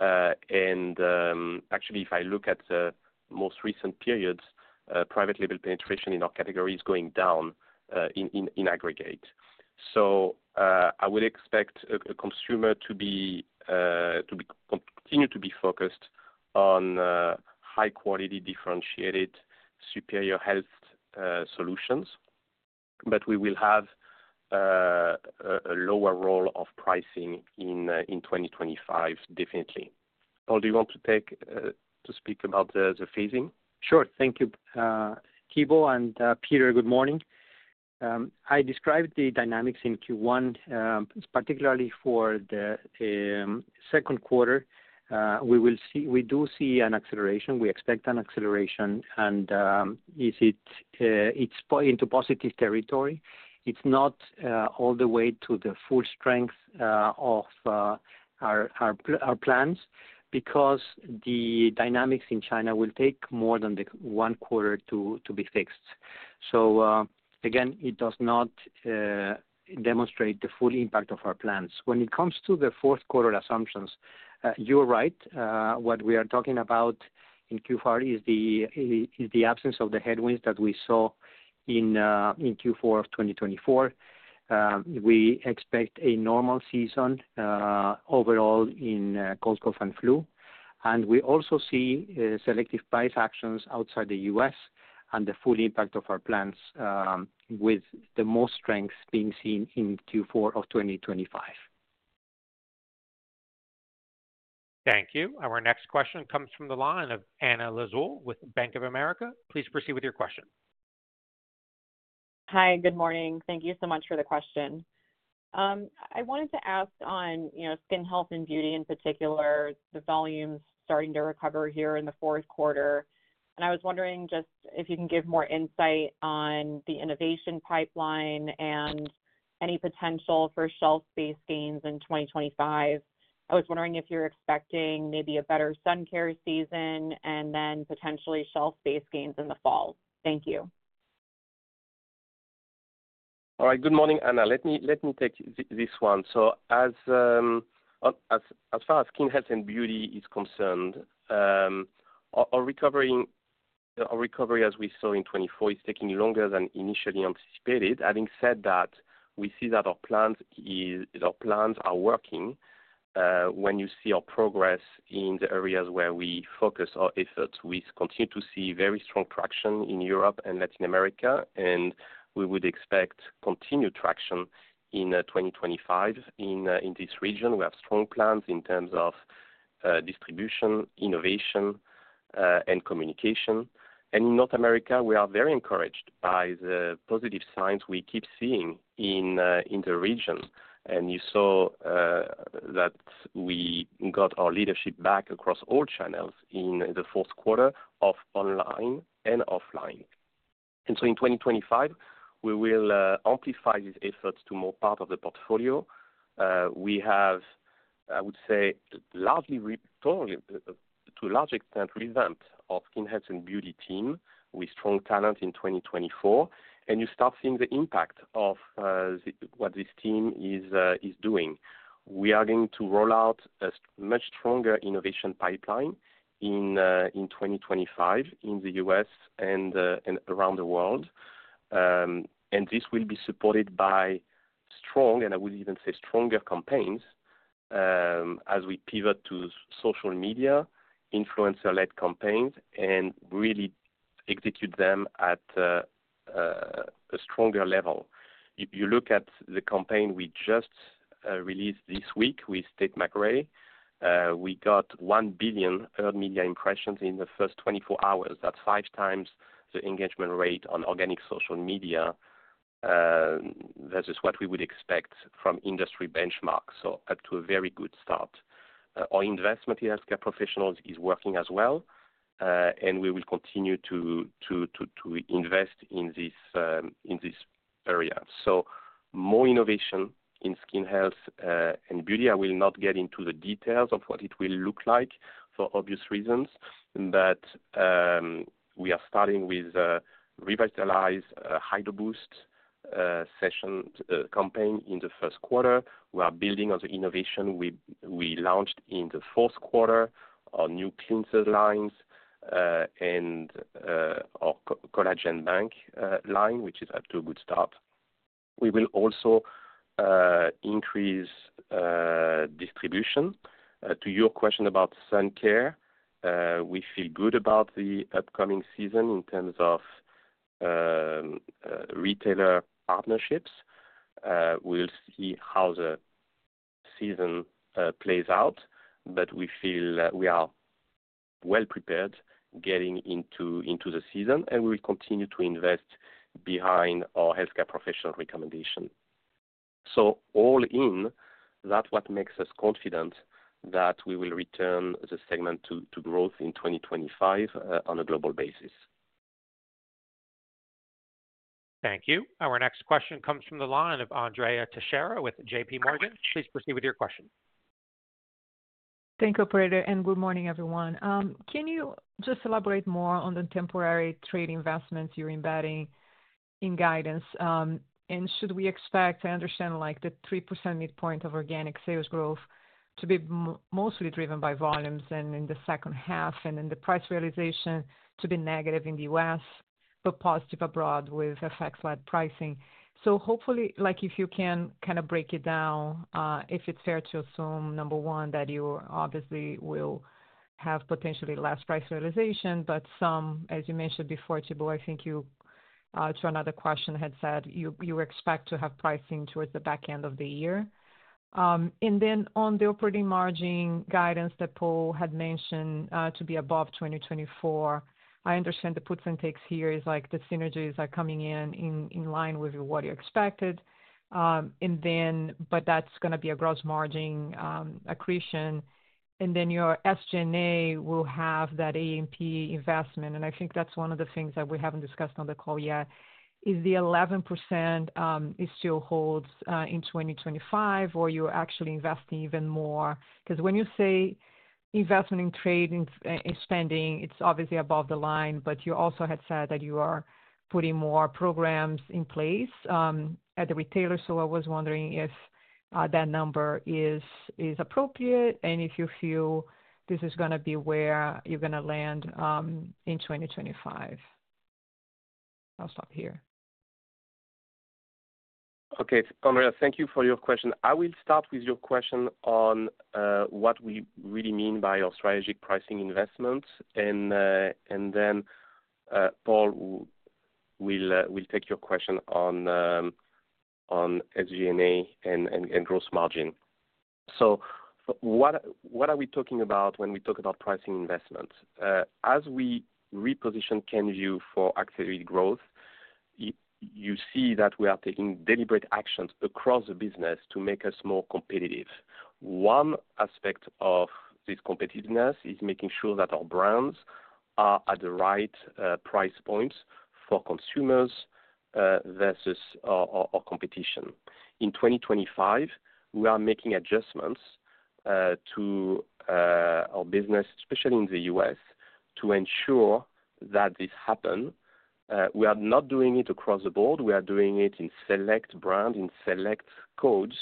Actually, if I look at the most recent periods, private label penetration in our category is going down in aggregate. So, I would expect a consumer to continue to be focused on high-quality, differentiated, superior health solutions, but we will have a lower role of pricing in 2025, definitely. Paul, do you want to speak about the phasing? Sure. Thank you, Thibaut and Peter. Good morning. I described the dynamics in Q1, particularly for the second quarter. We do see an acceleration. We expect an acceleration. And it's into positive territory. It's not all the way to the full strength of our plans because the dynamics in China will take more than one quarter to be fixed. So, again, it does not demonstrate the full impact of our plans. When it comes to the fourth quarter assumptions, you're right, what we are talking about in Q4 is the absence of the headwinds that we saw in Q4 of 2024. We expect a normal season, overall in cold, cough, and flu. And we also see selective price actions outside the U.S. and the full impact of our plans, with the most strength being seen in Q4 of 2025. Thank you. Our next question comes from the line of Anna Lizzul with Bank of America. Please proceed with your question. Hi, good morning. Thank you so much for the question. I wanted to ask on, you know, Skin Health and Beauty in particular, the volumes starting to recover here in the fourth quarter. And I was wondering just if you can give more insight on the innovation pipeline and any potential for shelf space gains in 2025. I was wondering if you're expecting maybe a better sun care season and then potentially shelf space gains in the fall. Thank you. All right. Good morning, Anna. Let me take this one. So as far as Skin Health and Beauty is concerned, our recovery as we saw in 2024 is taking longer than initially anticipated. Having said that, we see that our plans are working, when you see our progress in the areas where we focus our efforts. We continue to see very strong traction in Europe and Latin America, and we would expect continued traction in 2025 in this region. We have strong plans in terms of distribution, innovation, and communication. And in North America, we are very encouraged by the positive signs we keep seeing in the region. You saw that we got our leadership back across all channels in the fourth quarter, online and offline. So in 2025, we will amplify these efforts to more part of the portfolio. We have, I would say, largely totally to a large extent revamped our Skin Health and Beauty team with strong talent in 2024. And you start seeing the impact of what this team is, is doing. We are going to roll out a much stronger innovation pipeline in 2025 in the U.S. and around the world. And this will be supported by strong, and I would even say stronger campaigns, as we pivot to social media, influencer-led campaigns, and really execute them at a stronger level. You look at the campaign we just released this week with Tate McRae. We got one billion earned media impressions in the first 24 hours. That's five times the engagement rate on organic social media, versus what we would expect from industry benchmarks. So up to a very good start. Our investment in healthcare professionals is working as well, and we will continue to invest in this area. So more innovation in Skin Health and Beauty. I will not get into the details of what it will look like for obvious reasons, but we are starting with a revitalized Hydro Boost essence campaign in the first quarter. We are building on the innovation we launched in the fourth quarter, our new cleanser lines and our Collagen Bank line, which is up to a good start. We will also increase distribution. To your question about sun care, we feel good about the upcoming season in terms of retailer partnerships. We'll see how the season plays out, but we feel we are well prepared getting into the season, and we will continue to invest behind our healthcare professional recommendation. So all in, that's what makes us confident that we will return the segment to growth in 2025 on a global basis. Thank you. Our next question comes from the line of Andrea Teixeira with JPMorgan. Please proceed with your question. Thank you, operator. And good morning, everyone. Can you just elaborate more on the temporary trade investments you're embedding in guidance? And should we expect, I understand, like the 3% midpoint of organic sales growth to be mostly driven by volumes and in the second half and then the price realization to be negative in the U.S., but positive abroad with effects like pricing. So hopefully, like, if you can kind of break it down, if it's fair to assume, number one, that you obviously will have potentially less price realization, but some, as you mentioned before, Thibaut, I think you, to another question had said, you expect to have pricing towards the back end of the year. And then on the operating margin guidance that Paul had mentioned, to be above 2024, I understand the puts and takes here is like the synergies are coming in line with what you expected. And then, but that's going to be a gross margin accretion. And then your SG&A will have that A&P investment. I think that's one of the things that we haven't discussed on the call yet is the 11% still holds in 2025 or you're actually investing even more because when you say investment in trade and spending, it's obviously above the line, but you also had said that you are putting more programs in place at the retailer. So I was wondering if that number is appropriate and if you feel this is going to be where you're going to land in 2025. I'll stop here. Okay, Andrea, thank you for your question. I will start with your question on what we really mean by our strategic pricing investments. And then Paul will take your question on SG&A and gross margin. So what are we talking about when we talk about pricing investments? As we reposition Kenvue for accelerated growth, you see that we are taking deliberate actions across the business to make us more competitive. One aspect of this competitiveness is making sure that our brands are at the right price points for consumers, versus our competition. In 2025, we are making adjustments to our business, especially in the U.S., to ensure that this happens. We are not doing it across the board. We are doing it in select brands, in select codes,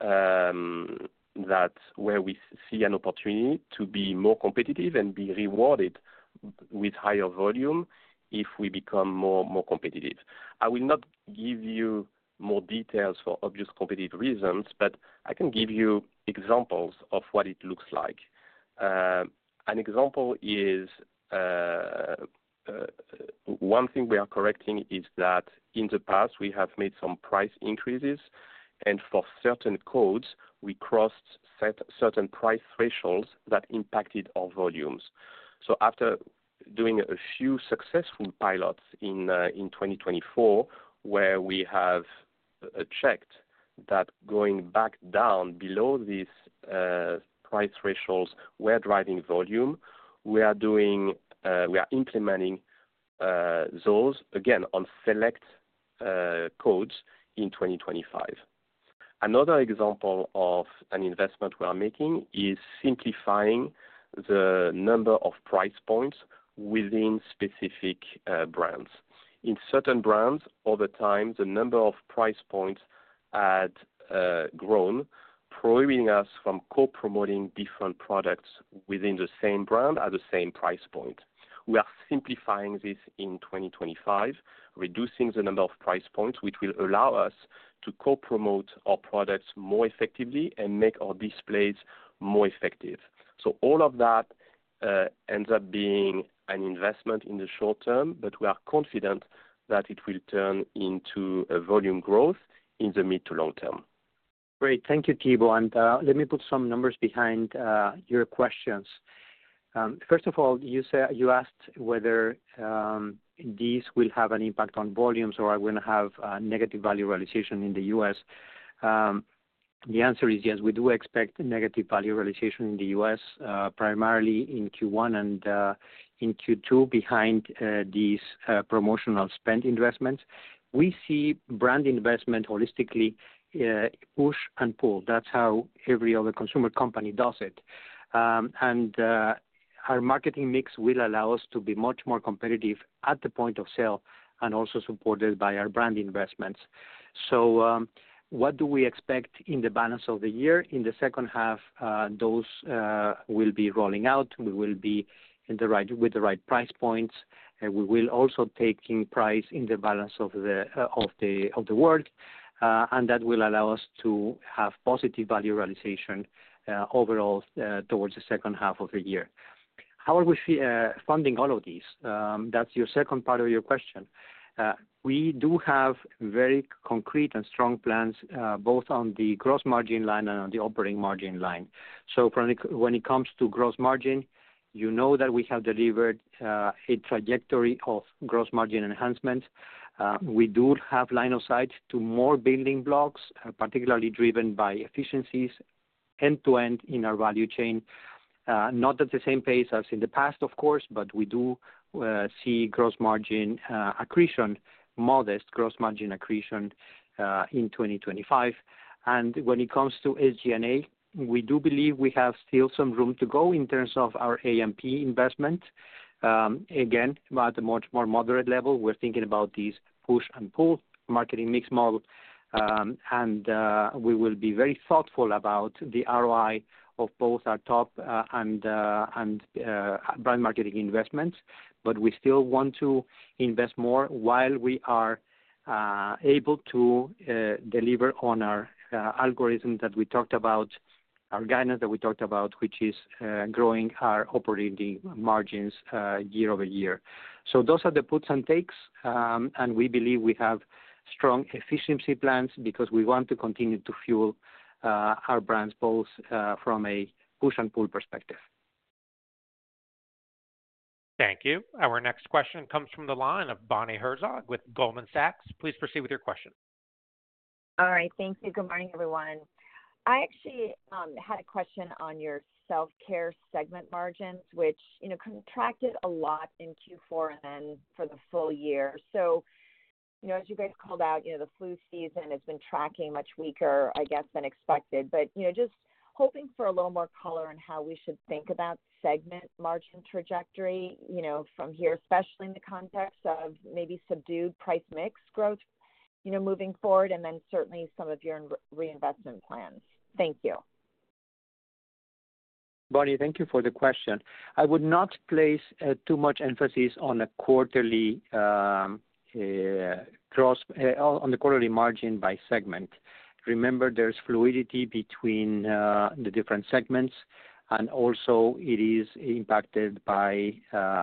where we see an opportunity to be more competitive and be rewarded with higher volume if we become more competitive. I will not give you more details for obvious competitive reasons, but I can give you examples of what it looks like. An example is one thing we are correcting is that in the past, we have made some price increases, and for certain codes, we crossed certain price thresholds that impacted our volumes. So after doing a few successful pilots in 2024, where we have checked that going back down below these price thresholds were driving volume, we are implementing those again on select codes in 2025. Another example of an investment we are making is simplifying the number of price points within specific brands. In certain brands, over time, the number of price points had grown, probably leading us from co-promoting different products within the same brand at the same price point. We are simplifying this in 2025, reducing the number of price points, which will allow us to co-promote our products more effectively and make our displays more effective. So all of that ends up being an investment in the short term, but we are confident that it will turn into a volume growth in the mid to long term. Great. Thank you, Thibaut. And let me put some numbers behind your questions. First of all, you said you asked whether these will have an impact on volumes or are we going to have a negative value realization in the U.S. The answer is yes. We do expect negative value realization in the U.S., primarily in Q1 and in Q2 behind these promotional spend investments. We see brand investment holistically, push and pull. That's how every other consumer company does it. And our marketing mix will allow us to be much more competitive at the point of sale and also supported by our brand investments. So what do we expect in the balance of the year? In the second half, those will be rolling out. We will be in the right with the right price points. And we will also take price in the balance of the world. And that will allow us to have positive value realization, overall, towards the second half of the year. How are we funding all of these? That's your second part of your question. We do have very concrete and strong plans, both on the gross margin line and on the operating margin line. So when it comes to gross margin, you know that we have delivered a trajectory of gross margin enhancement. We do have line of sight to more building blocks, particularly driven by efficiencies end to end in our value chain. Not at the same pace as in the past, of course, but we do see gross margin accretion, modest gross margin accretion, in 2025. And when it comes to SG&A, we do believe we have still some room to go in terms of our A&P investment. Again, about a much more moderate level, we're thinking about these push and pull marketing mix model, and we will be very thoughtful about the ROI of both our top and brand marketing investments, but we still want to invest more while we are able to deliver on our algorithm that we talked about, our guidance that we talked about, which is growing our operating margins year-over-year, so those are the puts and takes, and we believe we have strong efficiency plans because we want to continue to fuel our brands both from a push and pull perspective. Thank you. Our next question comes from the line of Bonnie Herzog with Goldman Sachs. Please proceed with your question. All right. Thank you. Good morning, everyone. I actually had a question on your Self Care segment margins, which, you know, contracted a lot in Q4 and then for the full year. So, you know, as you guys called out, you know, the flu season has been tracking much weaker, I guess, than expected. But, you know, just hoping for a little more color on how we should think about segment margin trajectory, you know, from here, especially in the context of maybe subdued price mix growth, you know, moving forward, and then certainly some of your reinvestment plans. Thank you. Bonnie, thank you for the question. I would not place too much emphasis on a quarterly, on the quarterly margin by segment. Remember, there's fluidity between the different segments, and also it is impacted by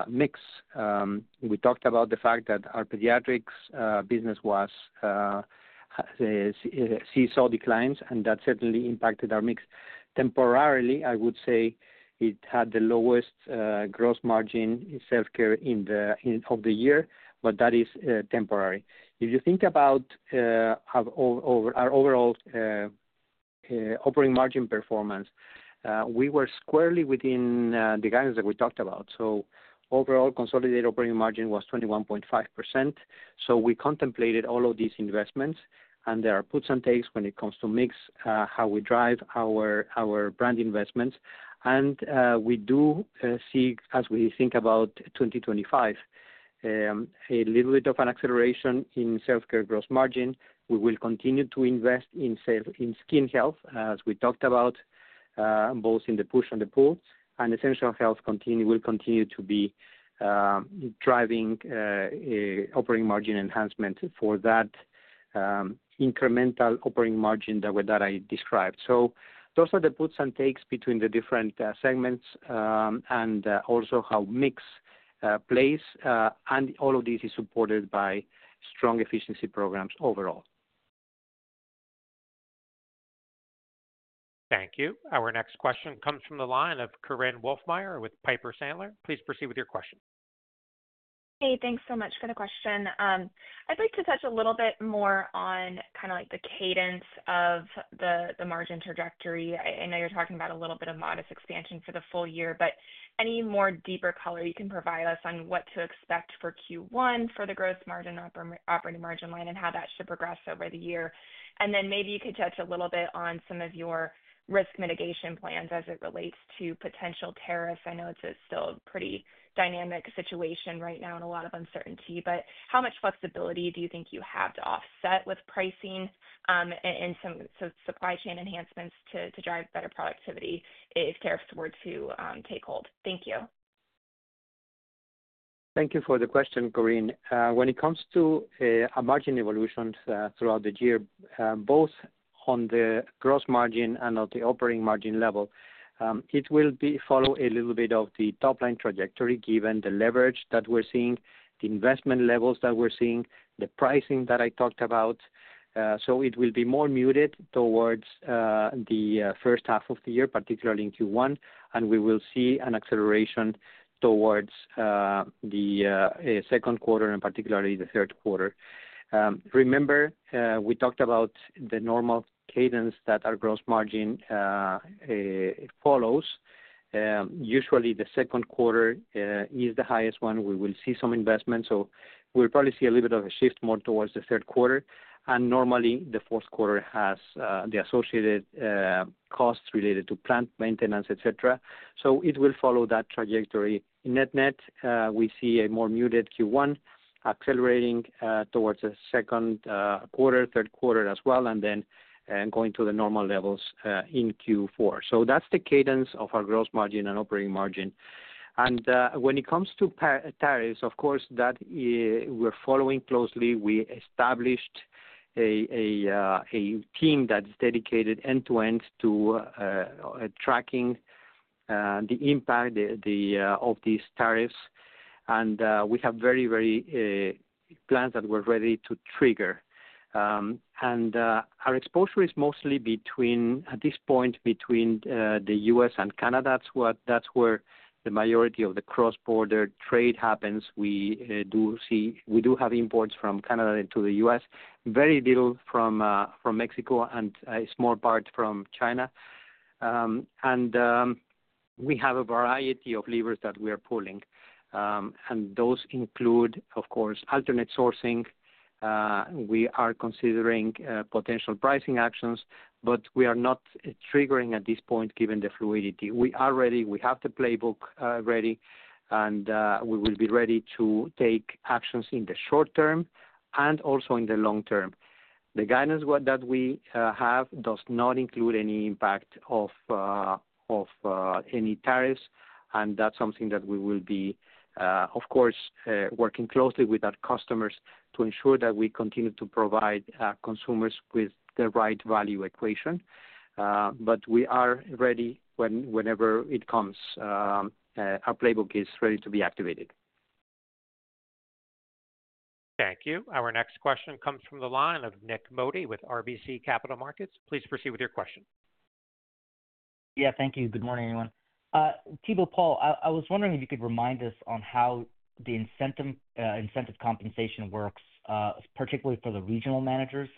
mix. We talked about the fact that our pediatric business was seeing declines, and that certainly impacted our mix. Temporarily, I would say it had the lowest gross margin in Self Care in the first half of the year, but that is temporary. If you think about our overall operating margin performance, we were squarely within the guidance that we talked about. So overall, consolidated operating margin was 21.5%. We contemplated all of these investments, and there are puts and takes when it comes to mix, how we drive our brand investments. We do see, as we think about 2025, a little bit of an acceleration in Self Care gross margin. We will continue to invest in sales in Skin Health, as we talked about, both in the push and the pull, and Essential Health will continue to be driving operating margin enhancement for that incremental operating margin that I described. So those are the puts and takes between the different segments, and also how mix plays, and all of these is supported by strong efficiency programs overall. Thank you. Our next question comes from the line of Korinne Wolfmeyer with Piper Sandler. Please proceed with your question. Hey, thanks so much for the question. I'd like to touch a little bit more on kind of like the cadence of the margin trajectory. I know you're talking about a little bit of modest expansion for the full year, but any more deeper color you can provide us on what to expect for Q1 for the gross margin operating margin line and how that should progress over the year? And then maybe you could touch a little bit on some of your risk mitigation plans as it relates to potential tariffs. I know it's still a pretty dynamic situation right now and a lot of uncertainty, but how much flexibility do you think you have to offset with pricing, and some supply chain enhancements to drive better productivity if tariffs were to take hold? Thank you. Thank you for the question, Korinne. When it comes to a margin evolution throughout the year, both on the gross margin and on the operating margin level, it will follow a little bit of the topline trajectory given the leverage that we're seeing, the investment levels that we're seeing, the pricing that I talked about, so it will be more muted towards the first half of the year, particularly in Q1, and we will see an acceleration towards the second quarter and particularly the third quarter. Remember, we talked about the normal cadence that our gross margin follows. Usually the second quarter is the highest one. We will see some investment, so we'll probably see a little bit of a shift more towards the third quarter, and normally the fourth quarter has the associated costs related to plant maintenance, et cetera, so it will follow that trajectory. Net net, we see a more muted Q1 accelerating towards the second quarter, third quarter as well, and then going to the normal levels in Q4. So that's the cadence of our gross margin and operating margin. When it comes to tariffs, of course, we're following closely. We established a team that's dedicated end to end to tracking the impact of these tariffs. And we have very, very plans that we're ready to trigger. Our exposure is mostly between, at this point, the U.S. and Canada. That's where the majority of the cross-border trade happens. We do have imports from Canada into the U.S., very little from Mexico and a small part from China. We have a variety of levers that we are pulling. Those include, of course, alternate sourcing. We are considering potential pricing actions, but we are not triggering at this point given the fluidity. We are ready. We have the playbook ready, and we will be ready to take actions in the short term and also in the long term. The guidance that we have does not include any impact of any tariffs, and that's something that we will be, of course, working closely with our customers to ensure that we continue to provide consumers with the right value equation. But we are ready whenever it comes. Our playbook is ready to be activated. Thank you. Our next question comes from the line of Nik Modi with RBC Capital Markets. Please proceed with your question. Yeah, thank you. Good morning, everyone. Thibaut, Paul, I was wondering if you could remind us on how the incentive compensation works, particularly for the regional managers.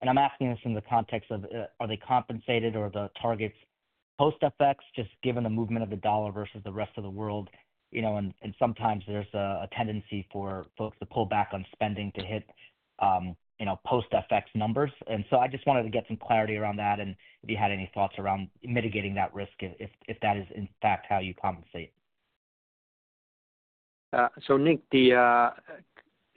And I'm asking this in the context of, are they compensated or the targets post-FX, just given the movement of the dollar versus the rest of the world, you know, and sometimes there's a tendency for folks to pull back on spending to hit, you know, post-FX numbers. And so I just wanted to get some clarity around that and if you had any thoughts around mitigating that risk if that is in fact how you compensate. So Nik, the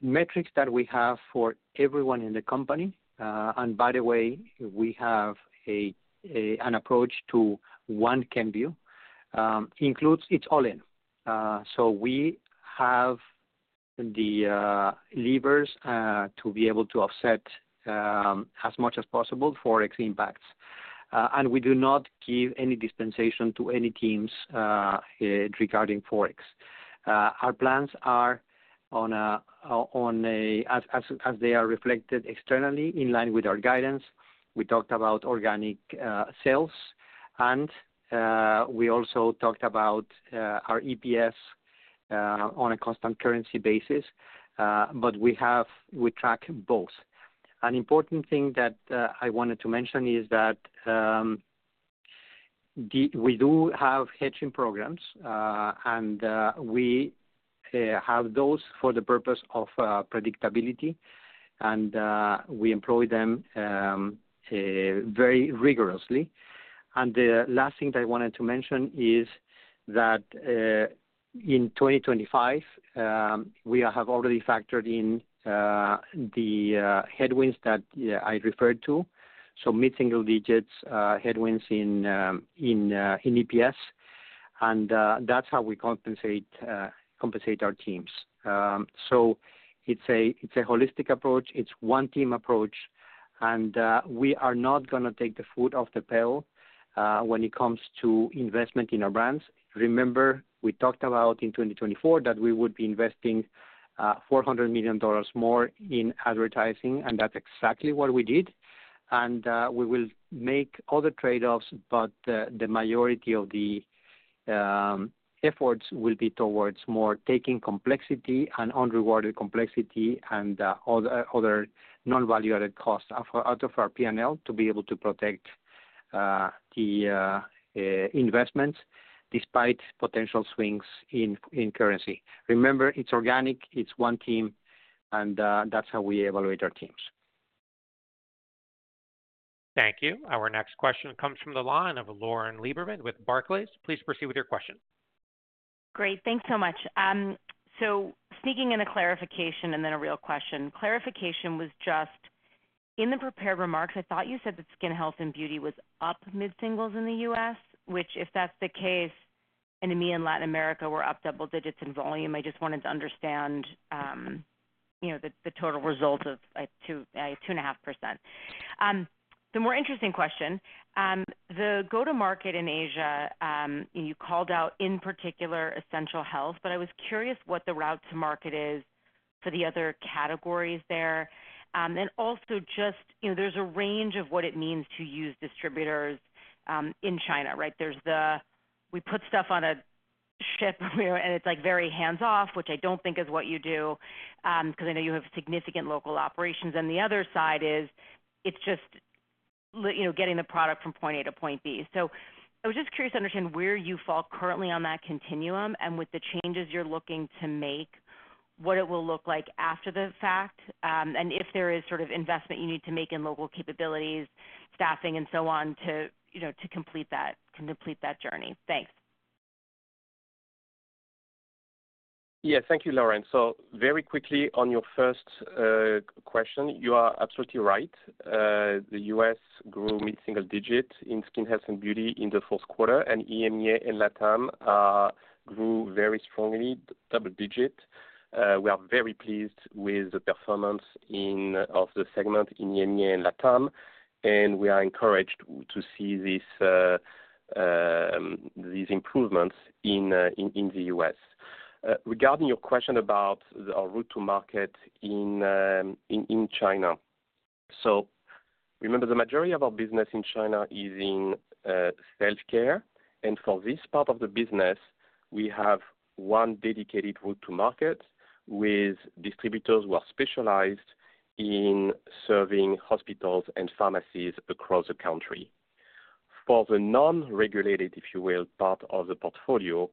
metrics that we have for everyone in the company, and by the way, we have an approach to One Kenvue, includes it's all in. So we have the levers to be able to offset as much as possible FX impacts. And we do not give any dispensation to any teams regarding FX. Our plans are as they are reflected externally in line with our guidance. We talked about organic sales and we also talked about our EPS on a constant currency basis. But we have we track both. An important thing that I wanted to mention is that we do have hedging programs, and we have those for the purpose of predictability and we employ them very rigorously. And the last thing that I wanted to mention is that in 2025 we have already factored in the headwinds that I referred to, so mid-single digits headwinds in EPS. And that's how we compensate our teams. It's a holistic approach. It's one team approach. And we are not going to take the foot off the pedal when it comes to investment in our brands. Remember, we talked about in 2024 that we would be investing $400 million more in advertising, and that's exactly what we did. And we will make other trade-offs, but the majority of the efforts will be towards more taking complexity and unrewarded complexity and other non-value-added costs out of our P&L to be able to protect the investments despite potential swings in currency. Remember, it's organic, it's one team, and that's how we evaluate our teams. Thank you. Our next question comes from the line of Lauren Lieberman with Barclays. Please proceed with your question. Great. Thanks so much. So sneaking in a clarification and then a real question. Clarification was just in the prepared remarks. I thought you said that Skin Health and Beauty was up mid-singles in the U.S., which if that's the case and EMEA and Latin America were up double digits in volume, I just wanted to understand, you know, the total result of like 2-2.5%. The more interesting question, the go-to-market in Asia, you called out in particular Essential Health, but I was curious what the route to market is for the other categories there. And also just, you know, there's a range of what it means to use distributors in China, right? There's the we put stuff on a ship and it's like very hands-off, which I don't think is what you do, because I know you have significant local operations. The other side is it's just, you know, getting the product from point A to point B. So I was just curious to understand where you fall currently on that continuum and with the changes you're looking to make, what it will look like after the fact, and if there is sort of investment you need to make in local capabilities, staffing, and so on to, you know, to complete that journey. Thanks. Yeah, thank you, Lauren. So very quickly on your first question, you are absolutely right. The U.S. grew mid-single digit in Skin Health and beauty in the fourth quarter, and EMEA and LATAM grew very strongly, double digit. We are very pleased with the performance of the segment in EMEA and LATAM, and we are encouraged to see these improvements in the U.S. Regarding your question about our route to market in China. So remember the majority of our business in China is in Self Care. And for this part of the business, we have one dedicated route to market with distributors who are specialized in serving hospitals and pharmacies across the country. For the non-regulated, if you will, part of the portfolio,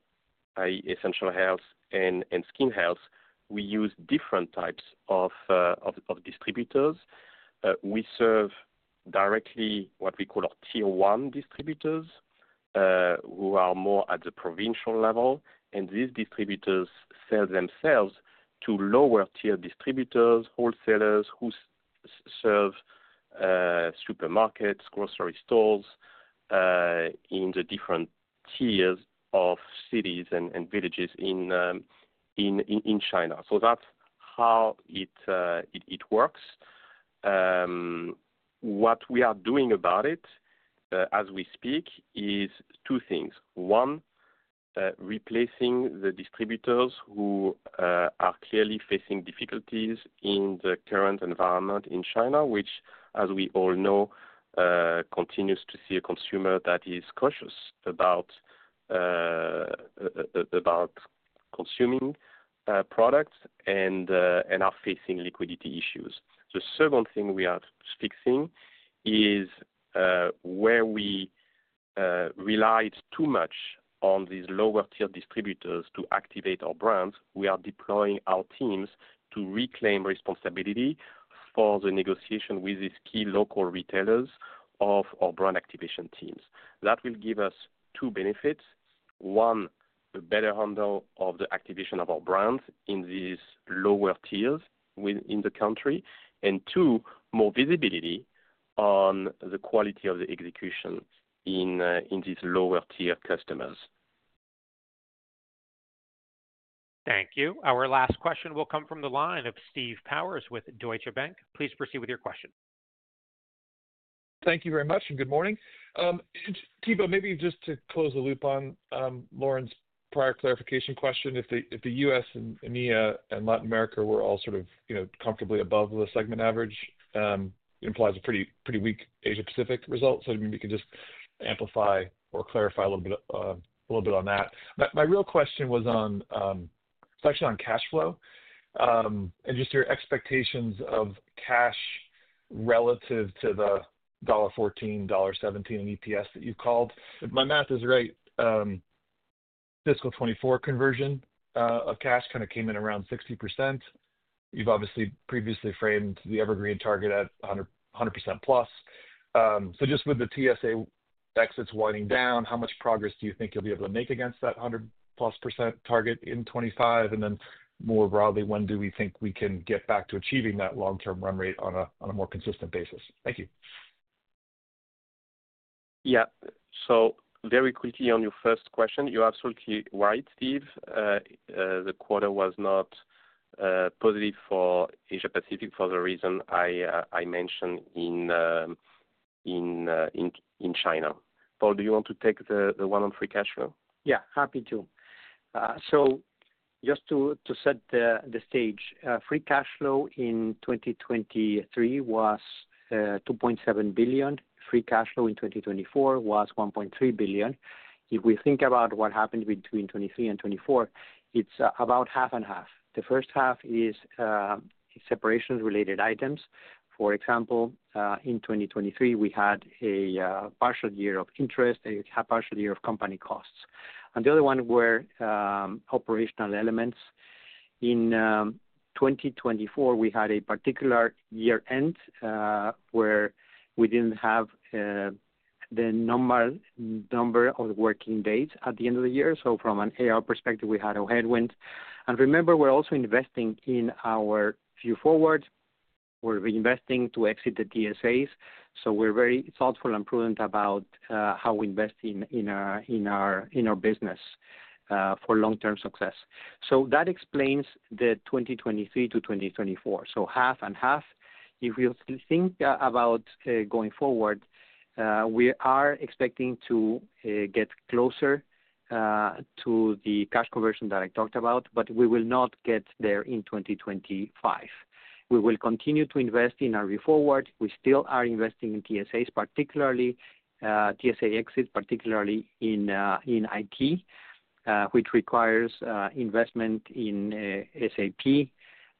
i.e., Essential Health and Skin Health, we use different types of distributors. We serve directly what we call our tier one distributors, who are more at the provincial level. And these distributors sell themselves to lower tier distributors, wholesalers who serve supermarkets, grocery stores, in the different tiers of cities and villages in China. So that's how it works. What we are doing about it, as we speak, is two things. One, replacing the distributors who are clearly facing difficulties in the current environment in China, which, as we all know, continues to see a consumer that is cautious about consuming products and are facing liquidity issues. The second thing we are fixing is, where we relied too much on these lower tier distributors to activate our brands, we are deploying our teams to reclaim responsibility for the negotiation with these key local retailers of our brand activation teams. That will give us two benefits. One, a better handle of the activation of our brands in these lower tiers within the country. And two, more visibility on the quality of the execution in these lower tier customers. Thank you. Our last question will come from the line of Steve Powers with Deutsche Bank. Please proceed with your question. Thank you very much and good morning. Thibaut, maybe just to close the loop on Lauren's prior clarification question, if the, if the U.S. and EMEA and Latin America were all sort of, you know, comfortably above the segment average, it implies a pretty, pretty weak Asia-Pacific result. So I mean, we can just amplify or clarify a little bit, a little bit on that. My, my real question was on, it's actually on cash flow, and just your expectations of cash relative to the $1.14, $1.17 in EPS that you called. If my math is right, fiscal 24 conversion of cash kind of came in around 60%. You've obviously previously framed the evergreen target at 100, 100% plus. So just with the TSA exits winding down, how much progress do you think you'll be able to make against that 100 plus percent target in 25? And then more broadly, when do we think we can get back to achieving that long-term run rate on a more consistent basis? Thank you. Yeah. So very quickly on your first question, you're absolutely right, Steve. The quarter was not positive for Asia-Pacific for the reason I mentioned in China. Paul, do you want to take the one on free cash flow? Yeah, happy to. So just to set the stage, free cash flow in 2023 was $2.7 billion. Free cash flow in 2024 was $1.3 billion. If we think about what happened between 2023 and 2024, it's about 50/50. The first half is separation-related items. For example, in 2023, we had a partial year of interest and a partial year of company costs. And the other one were operational elements. In 2024, we had a particular year end where we didn't have the number of working days at the end of the year. So from an AR perspective, we had a headwind. And remember, we're also investing in Our Vue Forward. We're reinvesting to exit the TSAs. So we're very thoughtful and prudent about how we invest in our business for long-term success. So that explains the 2023 to 2024. So half and half, if you think about going forward, we are expecting to get closer to the cash conversion that I talked about, but we will not get there in 2025. We will continue to invest in Our Vue Forward. We still are investing in TSAs, particularly TSA exits, particularly in IT, which requires investment in SAP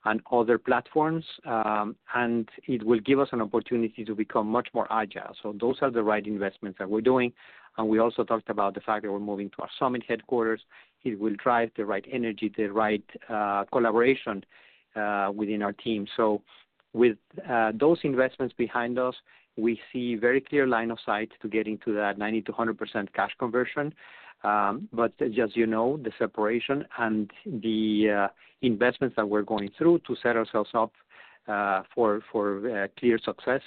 and other platforms. And it will give us an opportunity to become much more agile. So those are the right investments that we're doing, and we also talked about the fact that we're moving to our Summit headquarters. It will drive the right energy, the right collaboration, within our team. So with those investments behind us, we see a very clear line of sight to get into that 90%-100% cash conversion, but just, you know, the separation and the investments that we're going through to set ourselves up for clear success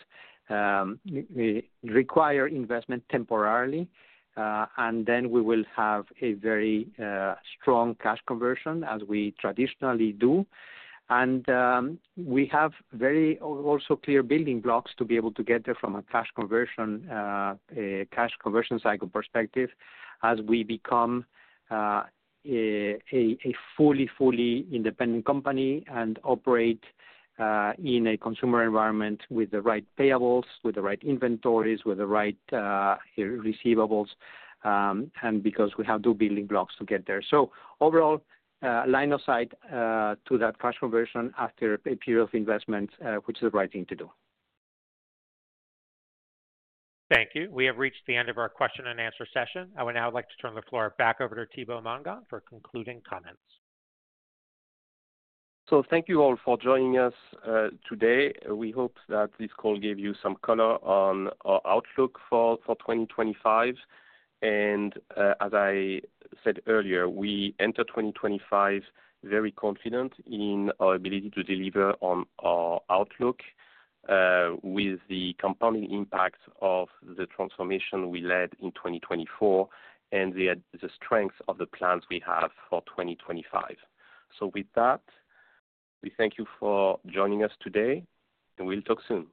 require investment temporarily, and then we will have a very strong cash conversion as we traditionally do, and we have very also clear building blocks to be able to get there from a cash conversion cycle perspective as we become a fully independent company and operate in a consumer environment with the right payables, with the right inventories, with the right receivables. and because we have two building blocks to get there. So overall, line of sight to that cash conversion after a period of investment, which is the right thing to do. Thank you. We have reached the end of our question and answer session. I would now like to turn the floor back over to Thibaut Mongon for concluding comments. So thank you all for joining us today. We hope that this call gave you some color on our outlook for 2025, and as I said earlier, we enter 2025 very confident in our ability to deliver on our outlook, with the compounding impact of the transformation we led in 2024 and the strength of the plans we have for 2025. So with that, we thank you for joining us today and we'll talk soon.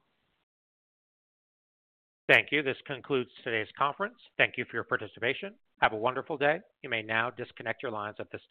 Thank you. This concludes today's conference. Thank you for your participation. Have a wonderful day. You may now disconnect your lines at this.